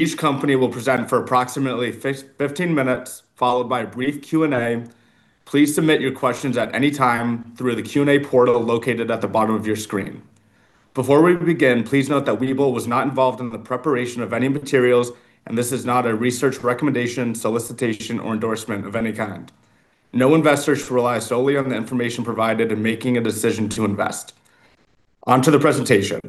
Each company will present for approximately 15 minutes, followed by a brief Q&A. Please submit your questions at any time through the Q&A portal located at the bottom of your screen. Before we begin, please note that Webull was not involved in the preparation of any materials, and this is not a research recommendation, solicitation, or endorsement of any kind. No investors rely solely on the information provided in making a decision to invest. On to the presentation.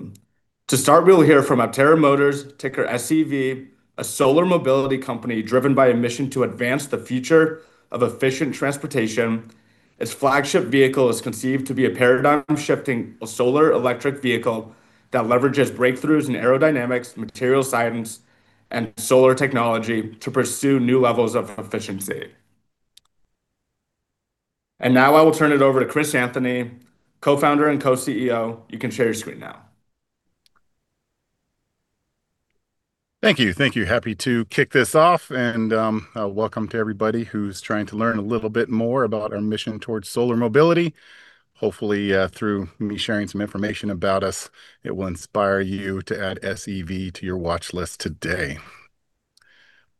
To start, we'll hear from Aptera Motors, ticker SEV, a solar mobility company driven by a mission to advance the future of efficient transportation. Its flagship vehicle is conceived to be a paradigm-shifting solar electric vehicle that leverages breakthroughs in aerodynamics, material science, and solar technology to pursue new levels of efficiency. Now I will turn it over to Chris Anthony, Co-Founder and Co-CEO. You can share your screen now. Thank you. Happy to kick this off, and welcome to everybody who's trying to learn a little bit more about our mission towards solar mobility. Hopefully, through me sharing some information about us, it will inspire you to add SEV to your watchlist today.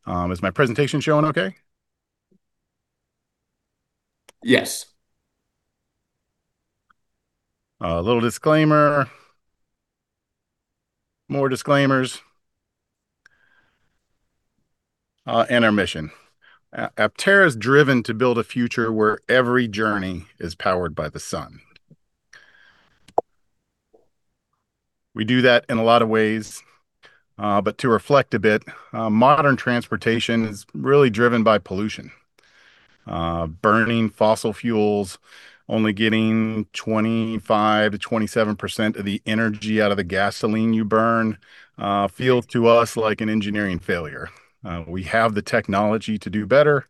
Is my presentation showing okay? Yes. A little disclaimer, more disclaimers, and our mission. Aptera's driven to build a future where every journey is powered by the sun. We do that in a lot of ways, but to reflect a bit, modern transportation is really driven by pollution. Burning fossil fuels, only getting 25%-27% of the energy out of the gasoline you burn, feels to us like an engineering failure. We have the technology to do better,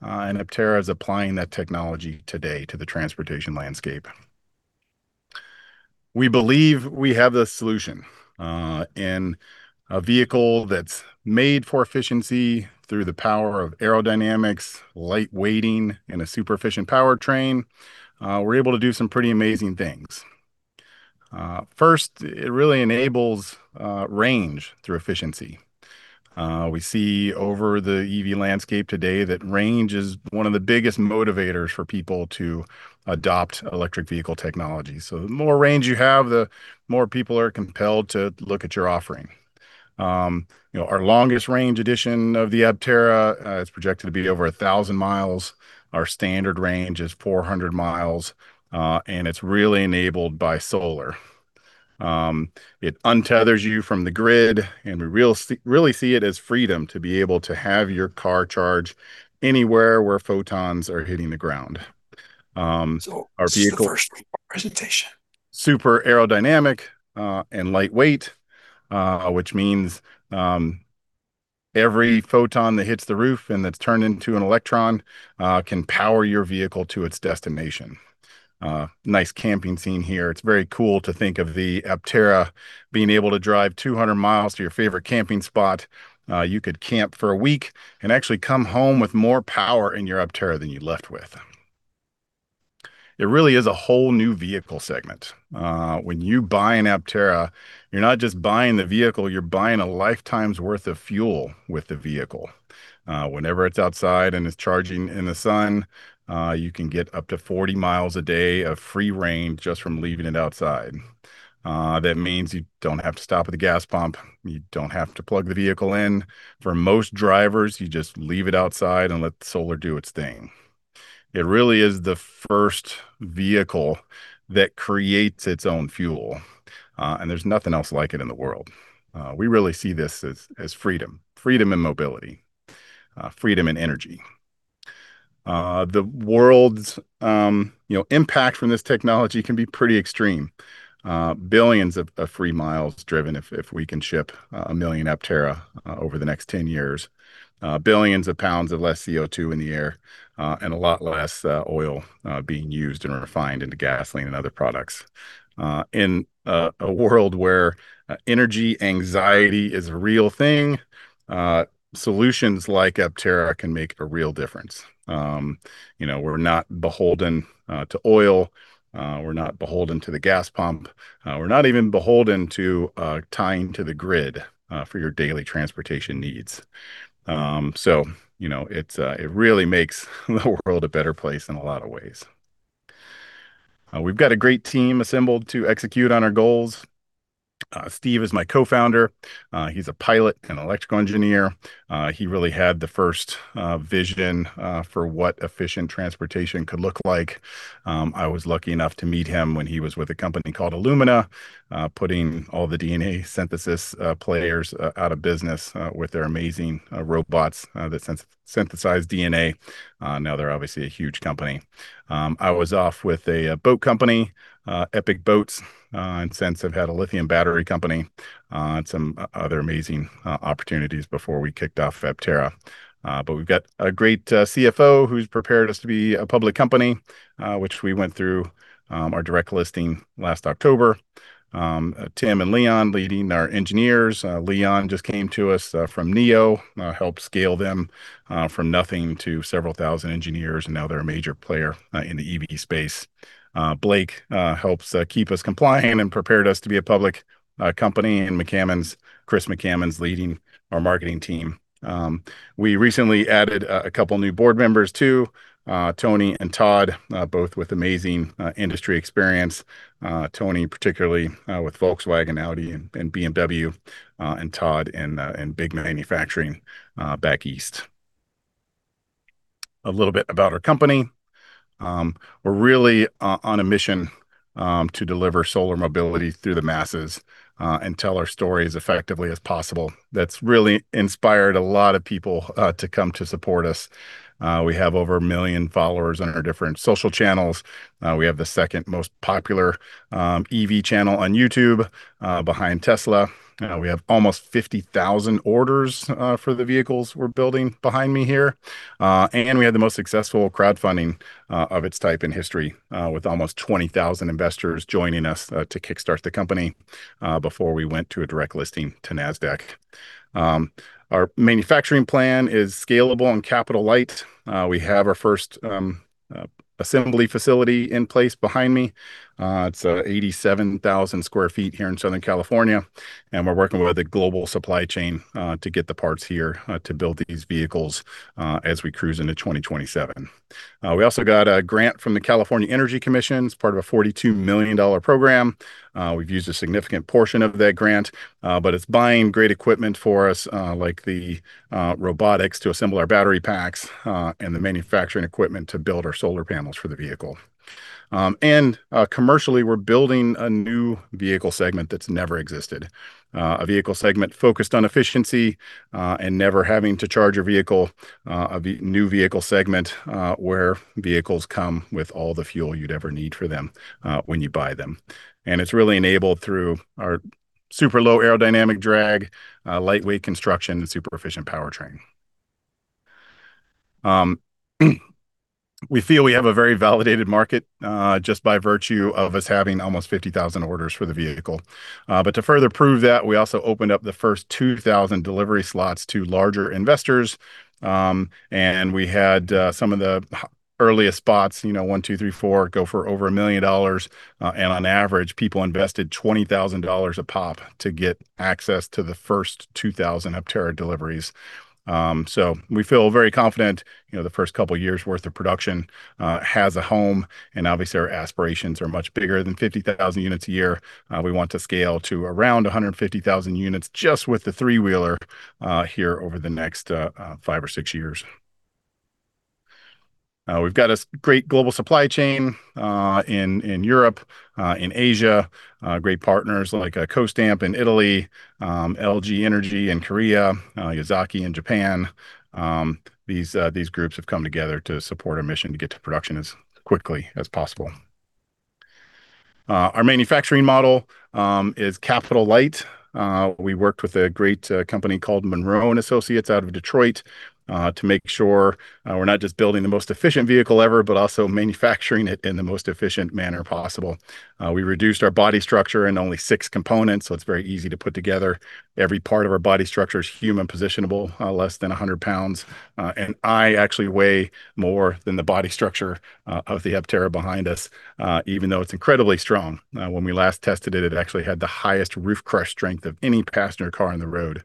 and Aptera is applying that technology today to the transportation landscape. We believe we have the solution in a vehicle that's made for efficiency through the power of aerodynamics, light weighting, and a super efficient powertrain. We're able to do some pretty amazing things. First, it really enables range through efficiency. We see over the EV landscape today that range is one of the biggest motivators for people to adopt electric vehicle technology. The more range you have, the more people are compelled to look at your offering. Our longest range edition of the Aptera is projected to be over 1,000 miles. Our standard range is 400 miles, and it's really enabled by solar. It untethers you from the grid, and we really see it as freedom to be able to have your car charge anywhere where photons are hitting the ground. This is the first part of the presentation. Our vehicle, super aerodynamic and lightweight, which means every photon that hits the roof and that's turned into an electron can power your vehicle to its destination. Nice camping scene here. It's very cool to think of the Aptera being able to drive 200 miles to your favorite camping spot. You could camp for a week and actually come home with more power in your Aptera than you left with. It really is a whole new vehicle segment. When you buy an Aptera, you're not just buying the vehicle, you're buying a lifetime's worth of fuel with the vehicle. Whenever it's outside and it's charging in the sun, you can get up to 40 miles a day of free range just from leaving it outside. That means you don't have to stop at the gas pump. You don't have to plug the vehicle in. For most drivers, you just leave it outside and let the solar do its thing. It really is the first vehicle that creates its own fuel, and there's nothing else like it in the world. We really see this as freedom. Freedom and mobility. Freedom and energy. The world's impact from this technology can be pretty extreme. Billions of free miles driven, if we can ship a million Aptera over the next 10 years. Billions of pounds of less CO2 in the air, and a lot less oil being used and refined into gasoline and other products. In a world where energy anxiety is a real thing, solutions like Aptera can make a real difference. We're not beholden to oil. We're not beholden to the gas pump. We're not even beholden to tied to the grid for your daily transportation needs. It really makes the world a better place in a lot of ways. We've got a great team assembled to execute on our goals. Steve is my co-founder. He's a pilot and electrical engineer. He really had the first vision for what efficient transportation could look like. I was lucky enough to meet him when he was with a company called Illumina, putting all the DNA synthesis players out of business with their amazing robots that synthesize DNA. Now they're obviously a huge company. I was off with a boat company, Epic Boats, and since I've had a lithium battery company, and some other amazing opportunities before we kicked off Aptera. We've got a great CFO who's prepared us to be a public company, which we went through our direct listing last October, with Tim and Leon leading our engineers. Leon just came to us from NIO, helped scale them from nothing to several thousand engineers, and now they're a major player in the EV space. Blake helps keep us compliant and prepared us to be a public company. Chris McCammon's leading our marketing team. We recently added a couple new board members, too. Tony and Todd, both with amazing industry experience. Tony, particularly, with Volkswagen, Audi, and BMW, and Todd in big manufacturing back east. A little bit about our company. We're really on a mission to deliver solar mobility through the masses and tell our story as effectively as possible. That's really inspired a lot of people to come to support us. We have over 1 million followers on our different social channels. We have the second most popular EV channel on YouTube, behind Tesla. We have almost 50,000 orders for the vehicles we're building behind me here. We had the most successful crowdfunding of its type in history, with almost 20,000 investors joining us to kickstart the company before we went to a direct listing to Nasdaq. Our manufacturing plan is scalable and capital light. We have our first assembly facility in place behind me. It's 87,000 sq ft here in Southern California, and we're working with a global supply chain to get the parts here to build these vehicles as we cruise into 2027. We also got a grant from the California Energy Commission. It's part of a $42 million program. We've used a significant portion of that grant, but it's buying great equipment for us, like the robotics to assemble our battery packs and the manufacturing equipment to build our solar panels for the vehicle. Commercially, we're building a new vehicle segment that's never existed. A vehicle segment focused on efficiency, and never having to charge a vehicle. A new vehicle segment where vehicles come with all the fuel you'd ever need for them when you buy them. It's really enabled through our super low aerodynamic drag, lightweight construction, and super efficient powertrain. We feel we have a very validated market, just by virtue of us having almost 50,000 orders for the vehicle. To further prove that, we also opened up the first 2,000 delivery slots to larger investors, and we had some of the earliest spots, 1, 2, 3, 4, go for over $1 million. On average, people invested $20,000 a pop to get access to the first 2,000 Aptera deliveries. We feel very confident the first couple of years' worth of production has a home, and obviously our aspirations are much bigger than 50,000 units a year. We want to scale to around 150,000 units just with the three-wheeler, here over the next five or six years. We've got a great global supply chain in Europe, in Asia. Great partners like Costamp in Italy, LG Energy in Korea, Yazaki in Japan. These groups have come together to support our mission to get to production as quickly as possible. Our manufacturing model is capital light. We worked with a great company called Munro & Associates out of Detroit, to make sure we're not just building the most efficient vehicle ever, but also manufacturing it in the most efficient manner possible. We reduced our body structure in only six components, so it's very easy to put together. Every part of our body structure is human positionable, less than 100 pounds. I actually weigh more than the body structure of the Aptera behind us, even though it's incredibly strong. When we last tested it actually had the highest roof crash strength of any passenger car on the road.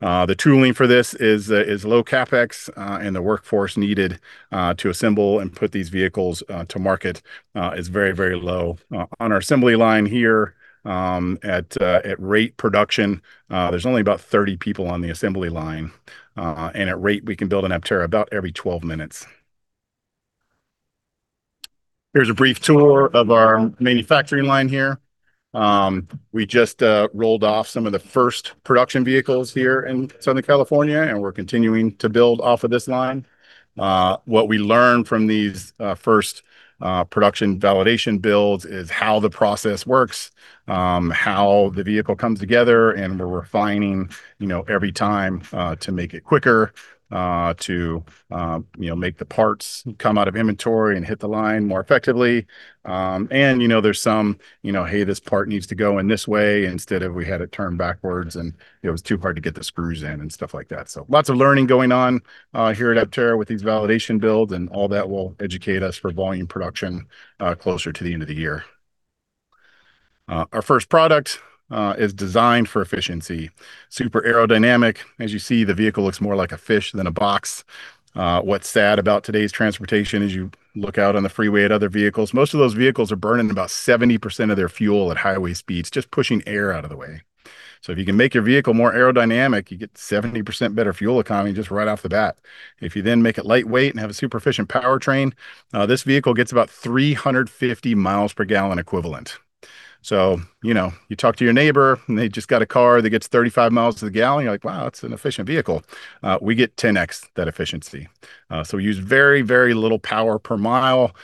The tooling for this is low CapEx, and the workforce needed to assemble and put these vehicles to market is very low. On our assembly line here, at rate production, there's only about 30 people on the assembly line. At rate, we can build an Aptera about every 12 minutes. Here's a brief tour of our manufacturing line here. We just rolled off some of the first production vehicles here in Southern California, and we're continuing to build off of this line. What we learned from these first production validation builds is how the process works, how the vehicle comes together, and we're refining every time to make it quicker, to make the parts come out of inventory and hit the line more effectively. There's some, "Hey, this part needs to go in this way instead of we had it turned backwards, and it was too hard to get the screws in," and stuff like that. Lots of learning going on here at Aptera with these validation builds, and all that will educate us for volume production closer to the end of the year. Our first product is designed for efficiency. Super aerodynamic. As you see, the vehicle looks more like a fish than a box. What's sad about today's transportation is you look out on the freeway at other vehicles, most of those vehicles are burning about 70% of their fuel at highway speeds just pushing air out of the way. If you can make your vehicle more aerodynamic, you get 70% better fuel economy just right off the bat. If you then make it lightweight and have a super efficient powertrain, this vehicle gets about 350 miles per gallon equivalent. You talk to your neighbor and they just got a car that gets 35 miles to the gallon, you're like, "Wow, that's an efficient vehicle." We get 10x that efficiency. We use very little power per mile,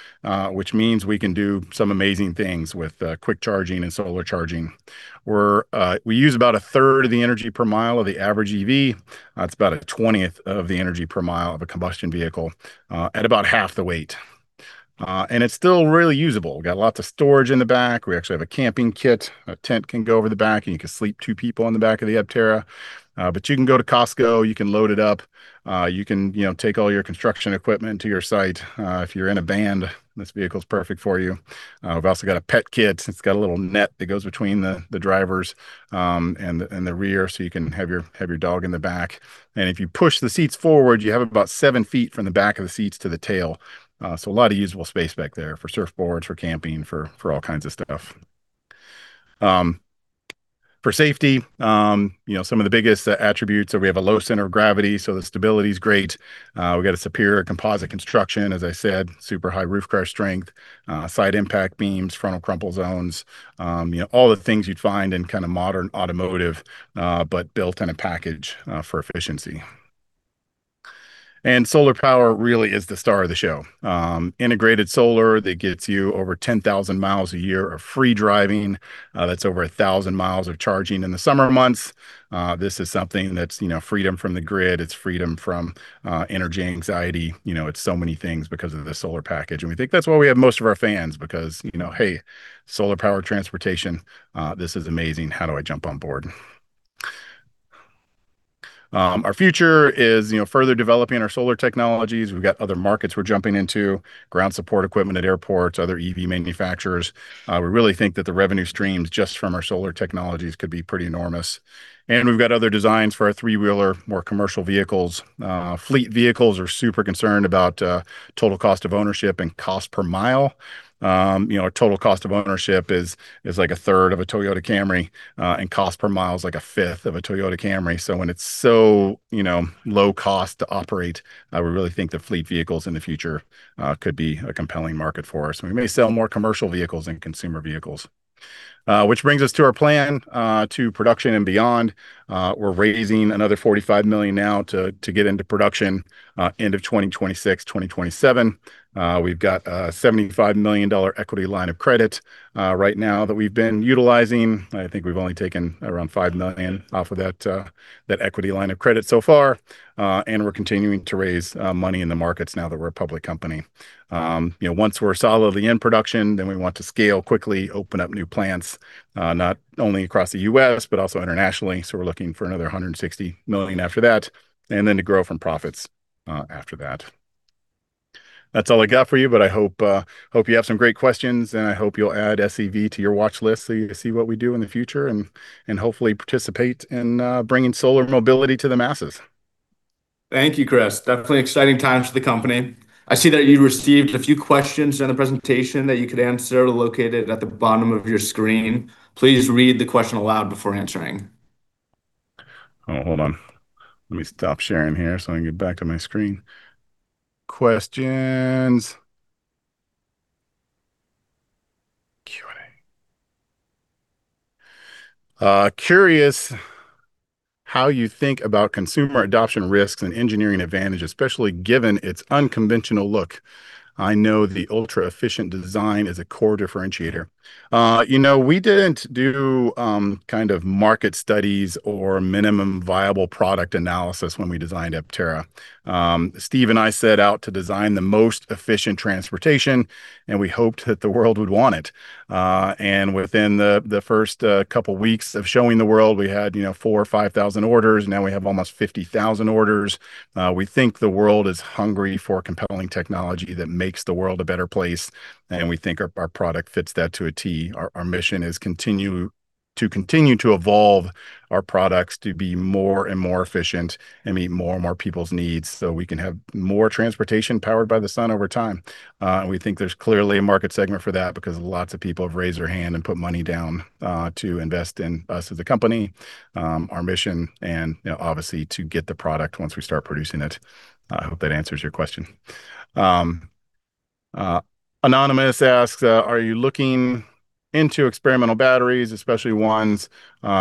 which means we can do some amazing things with quick charging and solar charging. We use about a third of the energy per mile of the average EV. It's about a 20th of the energy per mile of a combustion vehicle, at about half the weight. And it's still really usable. We've got lots of storage in the back. We actually have a camping kit. A tent can go over the back, and you can sleep two people in the back of the Aptera. You can go to Costco, you can load it up, you can take all your construction equipment to your site. If you're in a band, this vehicle's perfect for you. We've also got a pet kit. It's got a little net that goes between the drivers, and the rear, so you can have your dog in the back. If you push the seats forward, you have about seven feet from the back of the seats to the tail. A lot of usable space back there for surfboards, for camping, for all kinds of stuff. For safety, some of the biggest attributes are we have a low center of gravity, so the stability is great. We've got a superior composite construction, as I said, super high roof crush strength, side impact beams, frontal crumple zones, all the things you'd find in modern automotive, but built in a package for efficiency. Solar power really is the star of the show. Integrated solar that gets you over 10,000 miles a year of free driving. That's over 1,000 miles of charging in the summer months. This is something that's freedom from the grid, it's freedom from energy anxiety. It's so many things because of the solar package. We think that's why we have most of our fans because, hey, solar power transportation, this is amazing. How do I jump on board? Our future is further developing our solar technologies. We've got other markets we're jumping into, ground support equipment at airports, other EV manufacturers. We really think that the revenue streams just from our solar technologies could be pretty enormous. We've got other designs for our three-wheeler, more commercial vehicles. Fleet vehicles are super concerned about total cost of ownership and cost per mile. Our total cost of ownership is a third of a Toyota Camry, and cost per mile is like a fifth of a Toyota Camry. When it's so low cost to operate, we really think that fleet vehicles in the future could be a compelling market for us. We may sell more commercial vehicles than consumer vehicles. Which brings us to our plan to production and beyond. We're raising another $45 million now to get into production, end of 2026, 2027. We've got a $75 million equity line of credit right now that we've been utilizing. I think we've only taken around $5 million off of that equity line of credit so far. We're continuing to raise money in the markets now that we're a public company. Once we're solidly in production, then we want to scale quickly, open up new plants, not only across the U.S. but also internationally. We're looking for another $160 million after that, and then to grow from profits after that. That's all I got for you, but I hope you have some great questions, and I hope you'll add SEV to your watchlist so you can see what we do in the future and hopefully participate in bringing solar mobility to the masses. Thank you, Chris. Definitely exciting times for the company. I see that you received a few questions during the presentation that you could answer located at the bottom of your screen. Please read the question aloud before answering. Hold on. Let me stop sharing here so I can get back to my screen. Questions. Q&A. Curious how you think about consumer adoption risks and engineering advantage, especially given its unconventional look. I know the ultra-efficient design is a core differentiator. We didn't do market studies or minimum viable product analysis when we designed Aptera. Steve and I set out to design the most efficient transportation, and we hoped that the world would want it. Within the first couple of weeks of showing the world, we had 4,000 or 5,000 orders. Now we have almost 50,000 orders. We think the world is hungry for compelling technology that makes the world a better place, and we think our product fits that to a T. Our mission is to continue to evolve our products to be more and more efficient and meet more and more people's needs so we can have more transportation powered by the sun over time. We think there's clearly a market segment for that because lots of people have raised their hand and put money down to invest in us as a company, our mission, and obviously to get the product once we start producing it. I hope that answers your question. Anonymous asks, are you looking into experimental batteries, especially ones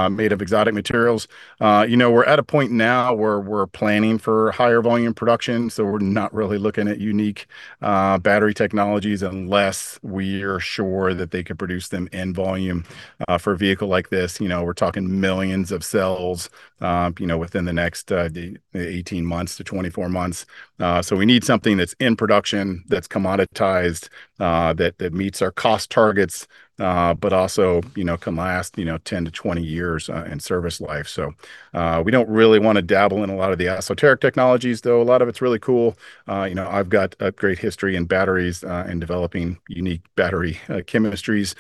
made of exotic materials? We're at a point now where we're planning for higher volume production, so we're not really looking at unique battery technologies unless we are sure that they could produce them in volume. For a vehicle like this, we're talking millions of cells within the next 18 months to 24 months. We need something that's in production, that's commoditized, that meets our cost targets, but also can last 10 to 20 years in service life. We don't really want to dabble in a lot of the esoteric technologies, though a lot of it's really cool. I've got a great history in batteries, in developing unique battery chemistries.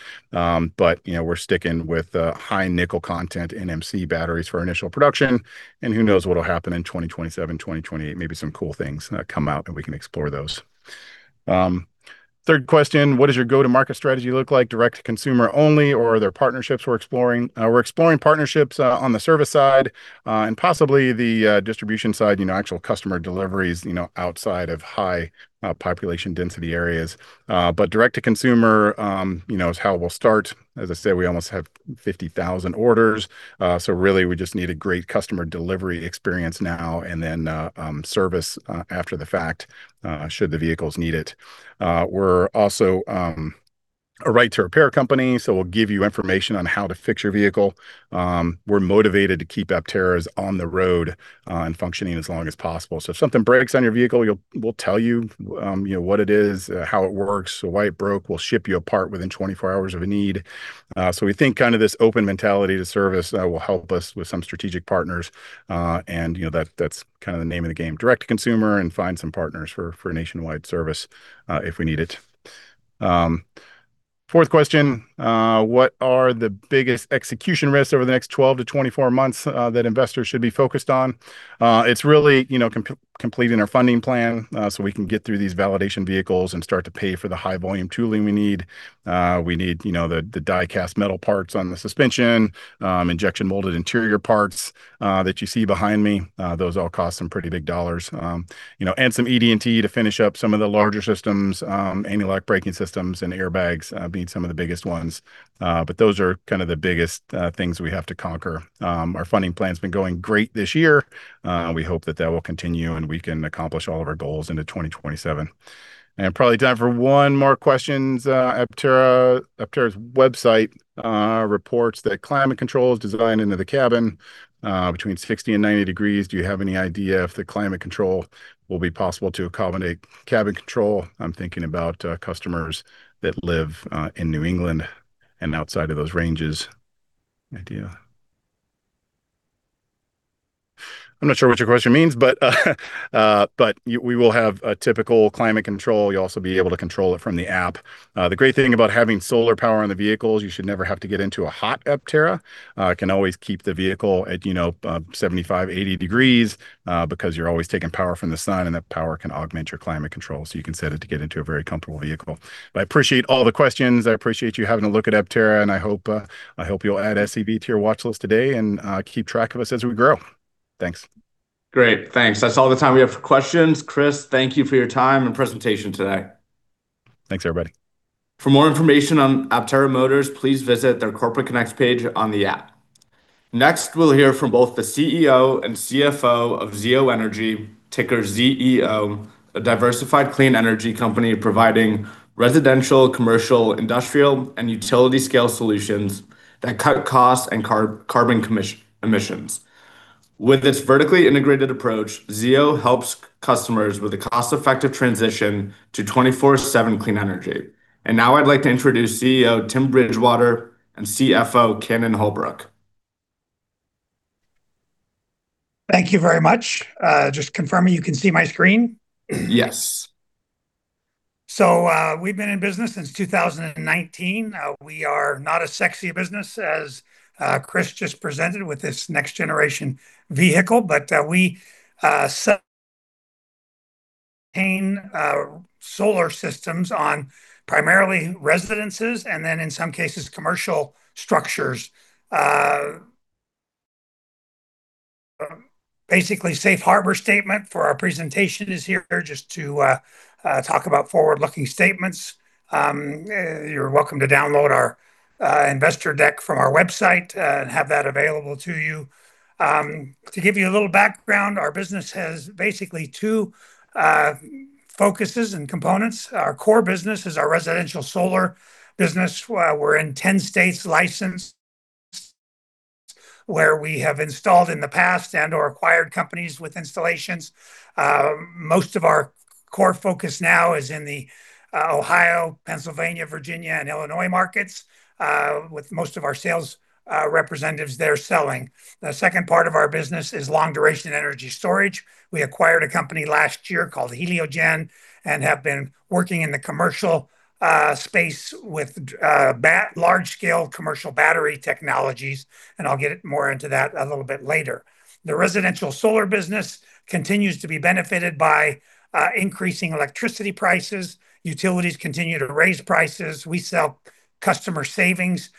We're sticking with high nickel content NMC batteries for initial production. Who knows what will happen in 2027, 2028. Maybe some cool things come out and we can explore those. Third question, what does your go-to-market strategy look like? Direct to consumer only, or are there partnerships we're exploring? We're exploring partnerships on the service side, and possibly the distribution side, actual customer deliveries outside of high population density areas. Direct to consumer is how we'll start. As I said, we almost have 50,000 orders. Really we just need a great customer delivery experience now and then service after the fact, should the vehicles need it. We're also a right to repair company, so we'll give you information on how to fix your vehicle. We're motivated to keep Apteras on the road and functioning as long as possible. If something breaks on your vehicle, we'll tell you what it is, how it works, why it broke. We'll ship you a part within 24 hours of a need. We think this open mentality to service will help us with some strategic partners. That's the name of the game, direct to consumer and find some partners for nationwide service if we need it. Fourth question, what are the biggest execution risks over the next 12 to 24 months that investors should be focused on? It's really completing our funding plan so we can get through these validation vehicles and start to pay for the high volume tooling we need. We need the die-cast metal parts on the suspension, injection molded interior parts that you see behind me. Those all cost some pretty big dollars. Some ED&T to finish up some of the larger systems, anti-lock braking systems and airbags being some of the biggest ones. Those are the biggest things we have to conquer. Our funding plan's been going great this year. We hope that will continue, and we can accomplish all of our goals into 2027. Probably time for one more question. Aptera's website reports that climate control is designed into the cabin 60-90 degrees. Do you have any idea if the climate control will be possible to accommodate cabin control? I'm thinking about customers that live in New England and outside of those ranges. Any idea? I'm not sure what your question means, but we will have a typical climate control. You'll also be able to control it from the app. The great thing about having solar power on the vehicles, you should never have to get into a hot Aptera. Can always keep the vehicle at 75-80 degrees, because you're always taking power from the sun, and that power can augment your climate control. You can set it to get into a very comfortable vehicle. I appreciate all the questions. I appreciate you having a look at Aptera, and I hope you'll add SEV to your watchlist today and keep track of us as we grow. Thanks. Great. Thanks. That's all the time we have for questions. Chris, thank you for your time and presentation today. Thanks, everybody. For more information on Aptera Motors, please visit their Corporate Connect page on the app. Next, we'll hear from both the CEO and CFO of Zeo Energy, ticker ZEO, a diversified clean energy company providing residential, commercial, industrial, and utility scale solutions that cut costs and carbon emissions. With this vertically integrated approach, Zeo Energy helps customers with a cost-effective transition to 24/7 clean energy. Now I'd like to introduce CEO Timothy Bridgewater and CFO Cannon Holbrook. Thank you very much. Just confirming you can see my screen? Yes. We've been in business since 2019. We are not a sexy business as Chris just presented with his next generation vehicle, but we sell solar systems on primarily residences and then, in some cases, commercial structures. Basically, safe harbor statement for our presentation is here just to talk about forward-looking statements. You're welcome to download our investor deck from our website, and have that available to you. To give you a little background, our business has basically two focuses and components. Our core business is our residential solar business. We're in 10 states licensed where we have installed in the past and/or acquired companies with installations. Most of our core focus now is in the Ohio, Pennsylvania, Virginia, and Illinois markets, with most of our sales representatives there selling. The second part of our business is long-duration energy storage. We acquired a company last year called Heliogen and have been working in the commercial space with large-scale commercial battery technologies, and I'll get more into that a little bit later. The residential solar business continues to be benefited by increasing electricity prices. Utilities continue to raise prices. We sell customer savings,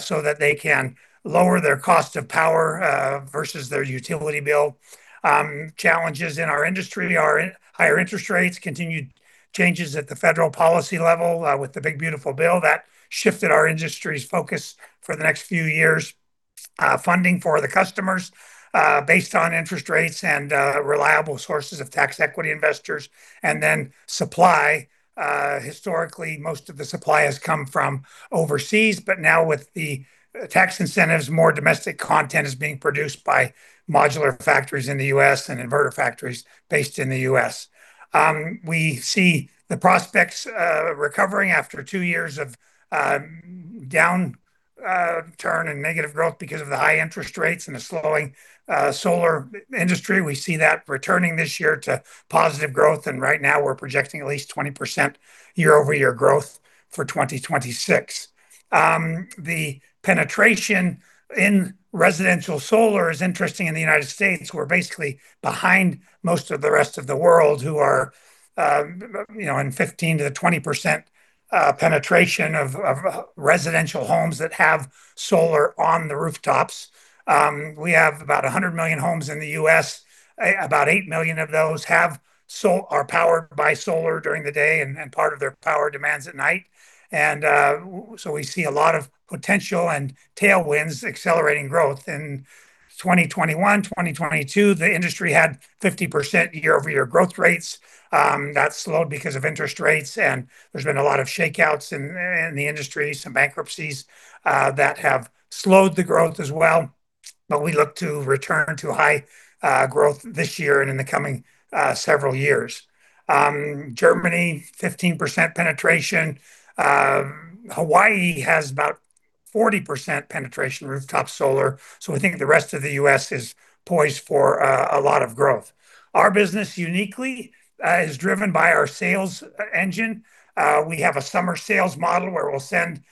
so that they can lower their cost of power versus their utility bill. Challenges in our industry are higher interest rates, continued changes at the federal policy level with the Big Beautiful Bill that shifted our industry's focus for the next few years, funding for the customers based on interest rates and reliable sources of tax equity investors. Supply. Historically, most of the supply has come from overseas. Now, with the tax incentives, more domestic content is being produced by modular factories in the U.S. and inverter factories based in the U.S. We see the prospects recovering after 2 years of downturn and negative growth because of the high interest rates and the slowing solar industry. We see that returning this year to positive growth, and right now we're projecting at least 20% year-over-year growth for 2026. The penetration in residential solar is interesting in the United States. We're basically behind most of the rest of the world who are in 15%-20% penetration of residential homes that have solar on the rooftops. We have about 100 million homes in the U.S. About 8 million of those are powered by solar during the day and part of their power demands at night. We see a lot of potential and tailwinds accelerating growth. In 2021, 2022, the industry had 50% year-over-year growth rates. That slowed because of interest rates, and there's been a lot of shakeouts in the industry, some bankruptcies that have slowed the growth as well. We look to return to high growth this year and in the coming several years. Germany, 15% penetration. Hawaii has about 40% penetration rooftop solar, so I think the rest of the U.S. is poised for a lot of growth. Our business uniquely is driven by our sales engine. We have a summer sales model where we'll send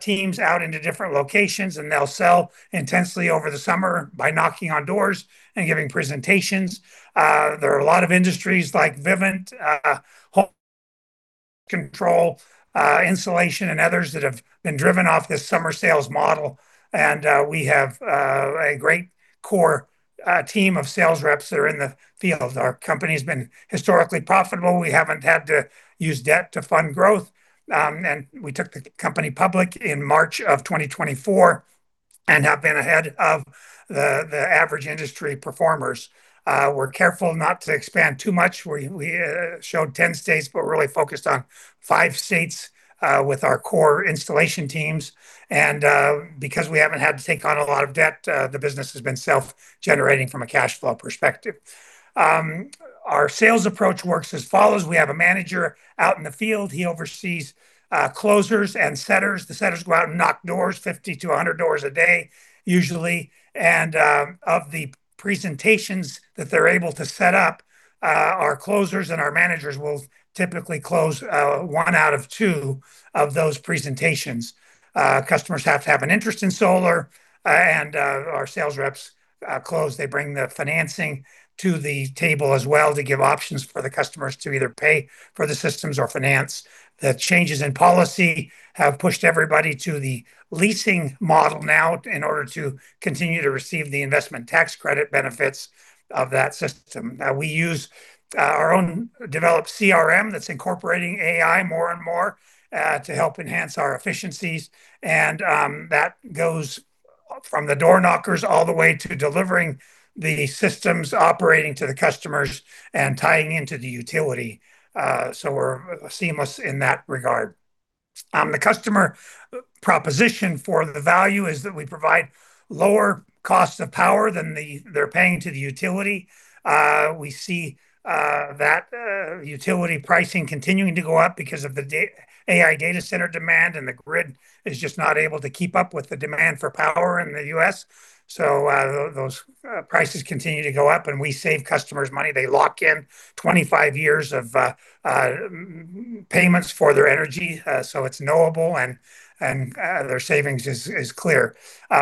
teams out into different locations, and they'll sell intensely over the summer by knocking on doors and giving presentations. There are a lot of industries like Vivint home control, Insulation and others that have been driven off this summer sales model, and we have a great core team of sales reps that are in the field. Our company's been historically profitable. We haven't had to use debt to fund growth. We took the company public in March of 2024 and have been ahead of the average industry performers. We're careful not to expand too much, where we showed 10 states, but we're really focused on five states with our core installation teams. Because we haven't had to take on a lot of debt, the business has been self-generating from a cash flow perspective. Our sales approach works as follows. We have a manager out in the field. He oversees closers and setters. The setters go out and knock doors, 50-100 doors a day usually. Of the presentations that they're able to set up, our closers and our managers will typically close 1 out of 2 of those presentations. Customers have to have an interest in solar, and our sales reps close. They bring the financing to the table as well to give options for the customers to either pay for the systems or finance. The changes in policy have pushed everybody to the leasing model now in order to continue to receive the Investment Tax Credit benefits of that system. We use our own developed CRM that's incorporating AI more and more to help enhance our efficiencies. That goes from the door knockers all the way to delivering the systems operating to the customers and tying into the utility. We're seamless in that regard. The customer proposition for the value is that we provide lower cost of power than they're paying to the utility. We see that utility pricing continuing to go up because of the AI data center demand and the grid is just not able to keep up with the demand for power in the U.S. Those prices continue to go up, and we save customers money. They lock in 25 years of payments for their energy, so it's knowable and their savings is clear.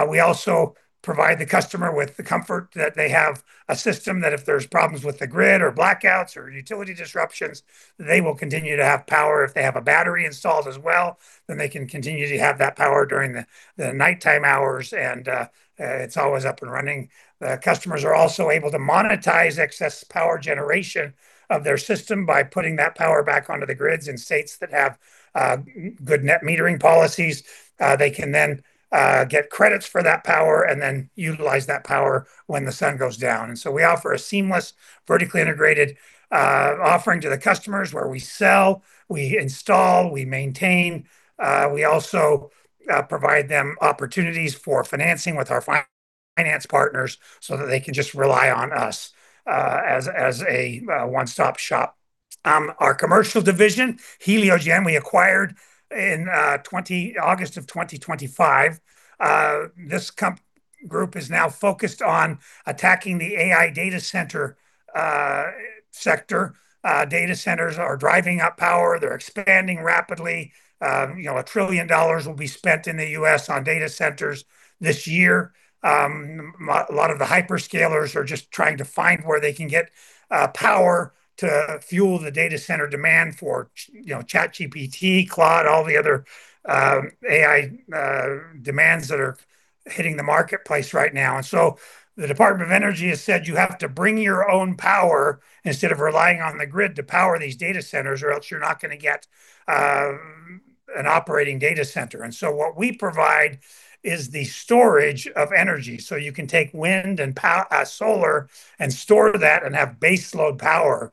We also provide the customer with the comfort that they have a system that if there's problems with the grid or blackouts or utility disruptions, they will continue to have power. If they have a battery installed as well, then they can continue to have that power during the nighttime hours and it's always up and running. The customers are also able to monetize excess power generation of their system by putting that power back onto the grids in states that have good net metering policies. They can then get credits for that power and then utilize that power when the sun goes down. We offer a seamless, vertically integrated offering to the customers where we sell, we install, we maintain. We also provide them opportunities for financing with our finance partners so that they can just rely on us as a one-stop shop. Our commercial division, Heliogen, we acquired in August of 2025. This group is now focused on attacking the AI data center sector. Data centers are driving up power. They're expanding rapidly. $1 trillion will be spent in the U.S. on data centers this year. A lot of the hyperscalers are just trying to find where they can get power to fuel the data center demand for ChatGPT, Claude, all the other AI demands that are hitting the marketplace right now. The Department of Energy has said you have to bring your own power instead of relying on the grid to power these data centers, or else you're not going to get an operating data center. What we provide is the storage of energy. You can take wind and solar and store that and have base load power.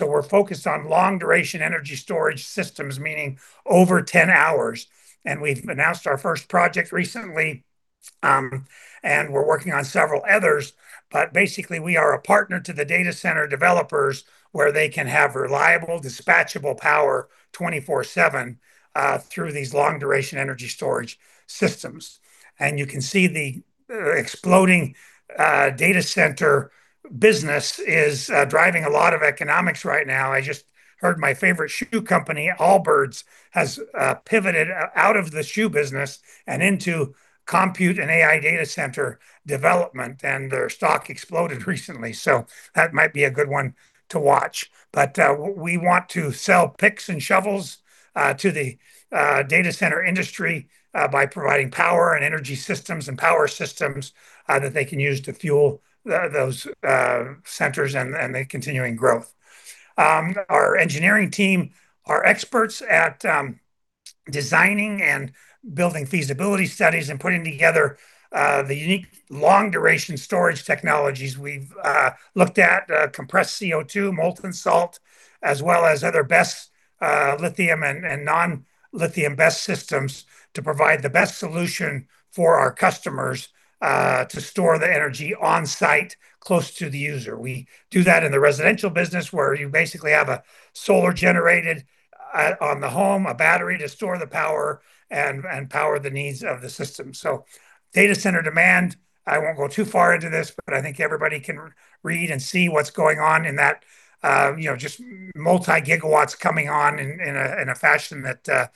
We're focused on long-duration energy storage systems, meaning over 10 hours. We've announced our first project recently, and we're working on several others. Basically we are a partner to the data center developers where they can have reliable, dispatchable power 24/7 through these long-duration energy storage systems. You can see the exploding data center business is driving a lot of economics right now. I just heard my favorite shoe company, Allbirds, has pivoted out of the shoe business and into compute and AI data center development, and their stock exploded recently. That might be a good one to watch. We want to sell picks and shovels to the data center industry by providing power and energy systems and power systems that they can use to fuel those centers and the continuing growth. Our engineering team are experts at designing and building feasibility studies and putting together the unique long-duration storage technologies. We've looked at compressed CO2, molten salt, as well as other BESS, lithium and non-lithium BESS systems to provide the best solution for our customers to store the energy on-site close to the user. We do that in the residential business where you basically have a solar generation on the home, a battery to store the power and power the needs of the system. Data center demand, I won't go too far into this, but I think everybody can read and see what's going on in that, just multi-gigawatts coming on in a fashion that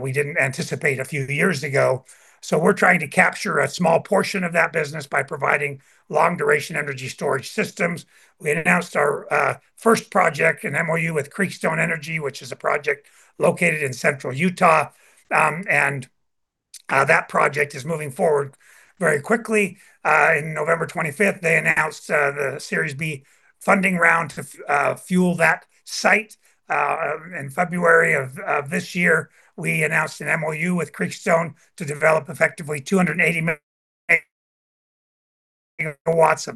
we didn't anticipate a few years ago. We're trying to capture a small portion of that business by providing long-duration energy storage systems. We had announced our first project, an MOU with Creekstone Energy Hub, which is a project located in central Utah, and that project is moving forward very quickly. In November 25th, they announced the Series B funding round to fuel that site. In February of this year, we announced an MOU with Creekstone to develop effectively 280 MW of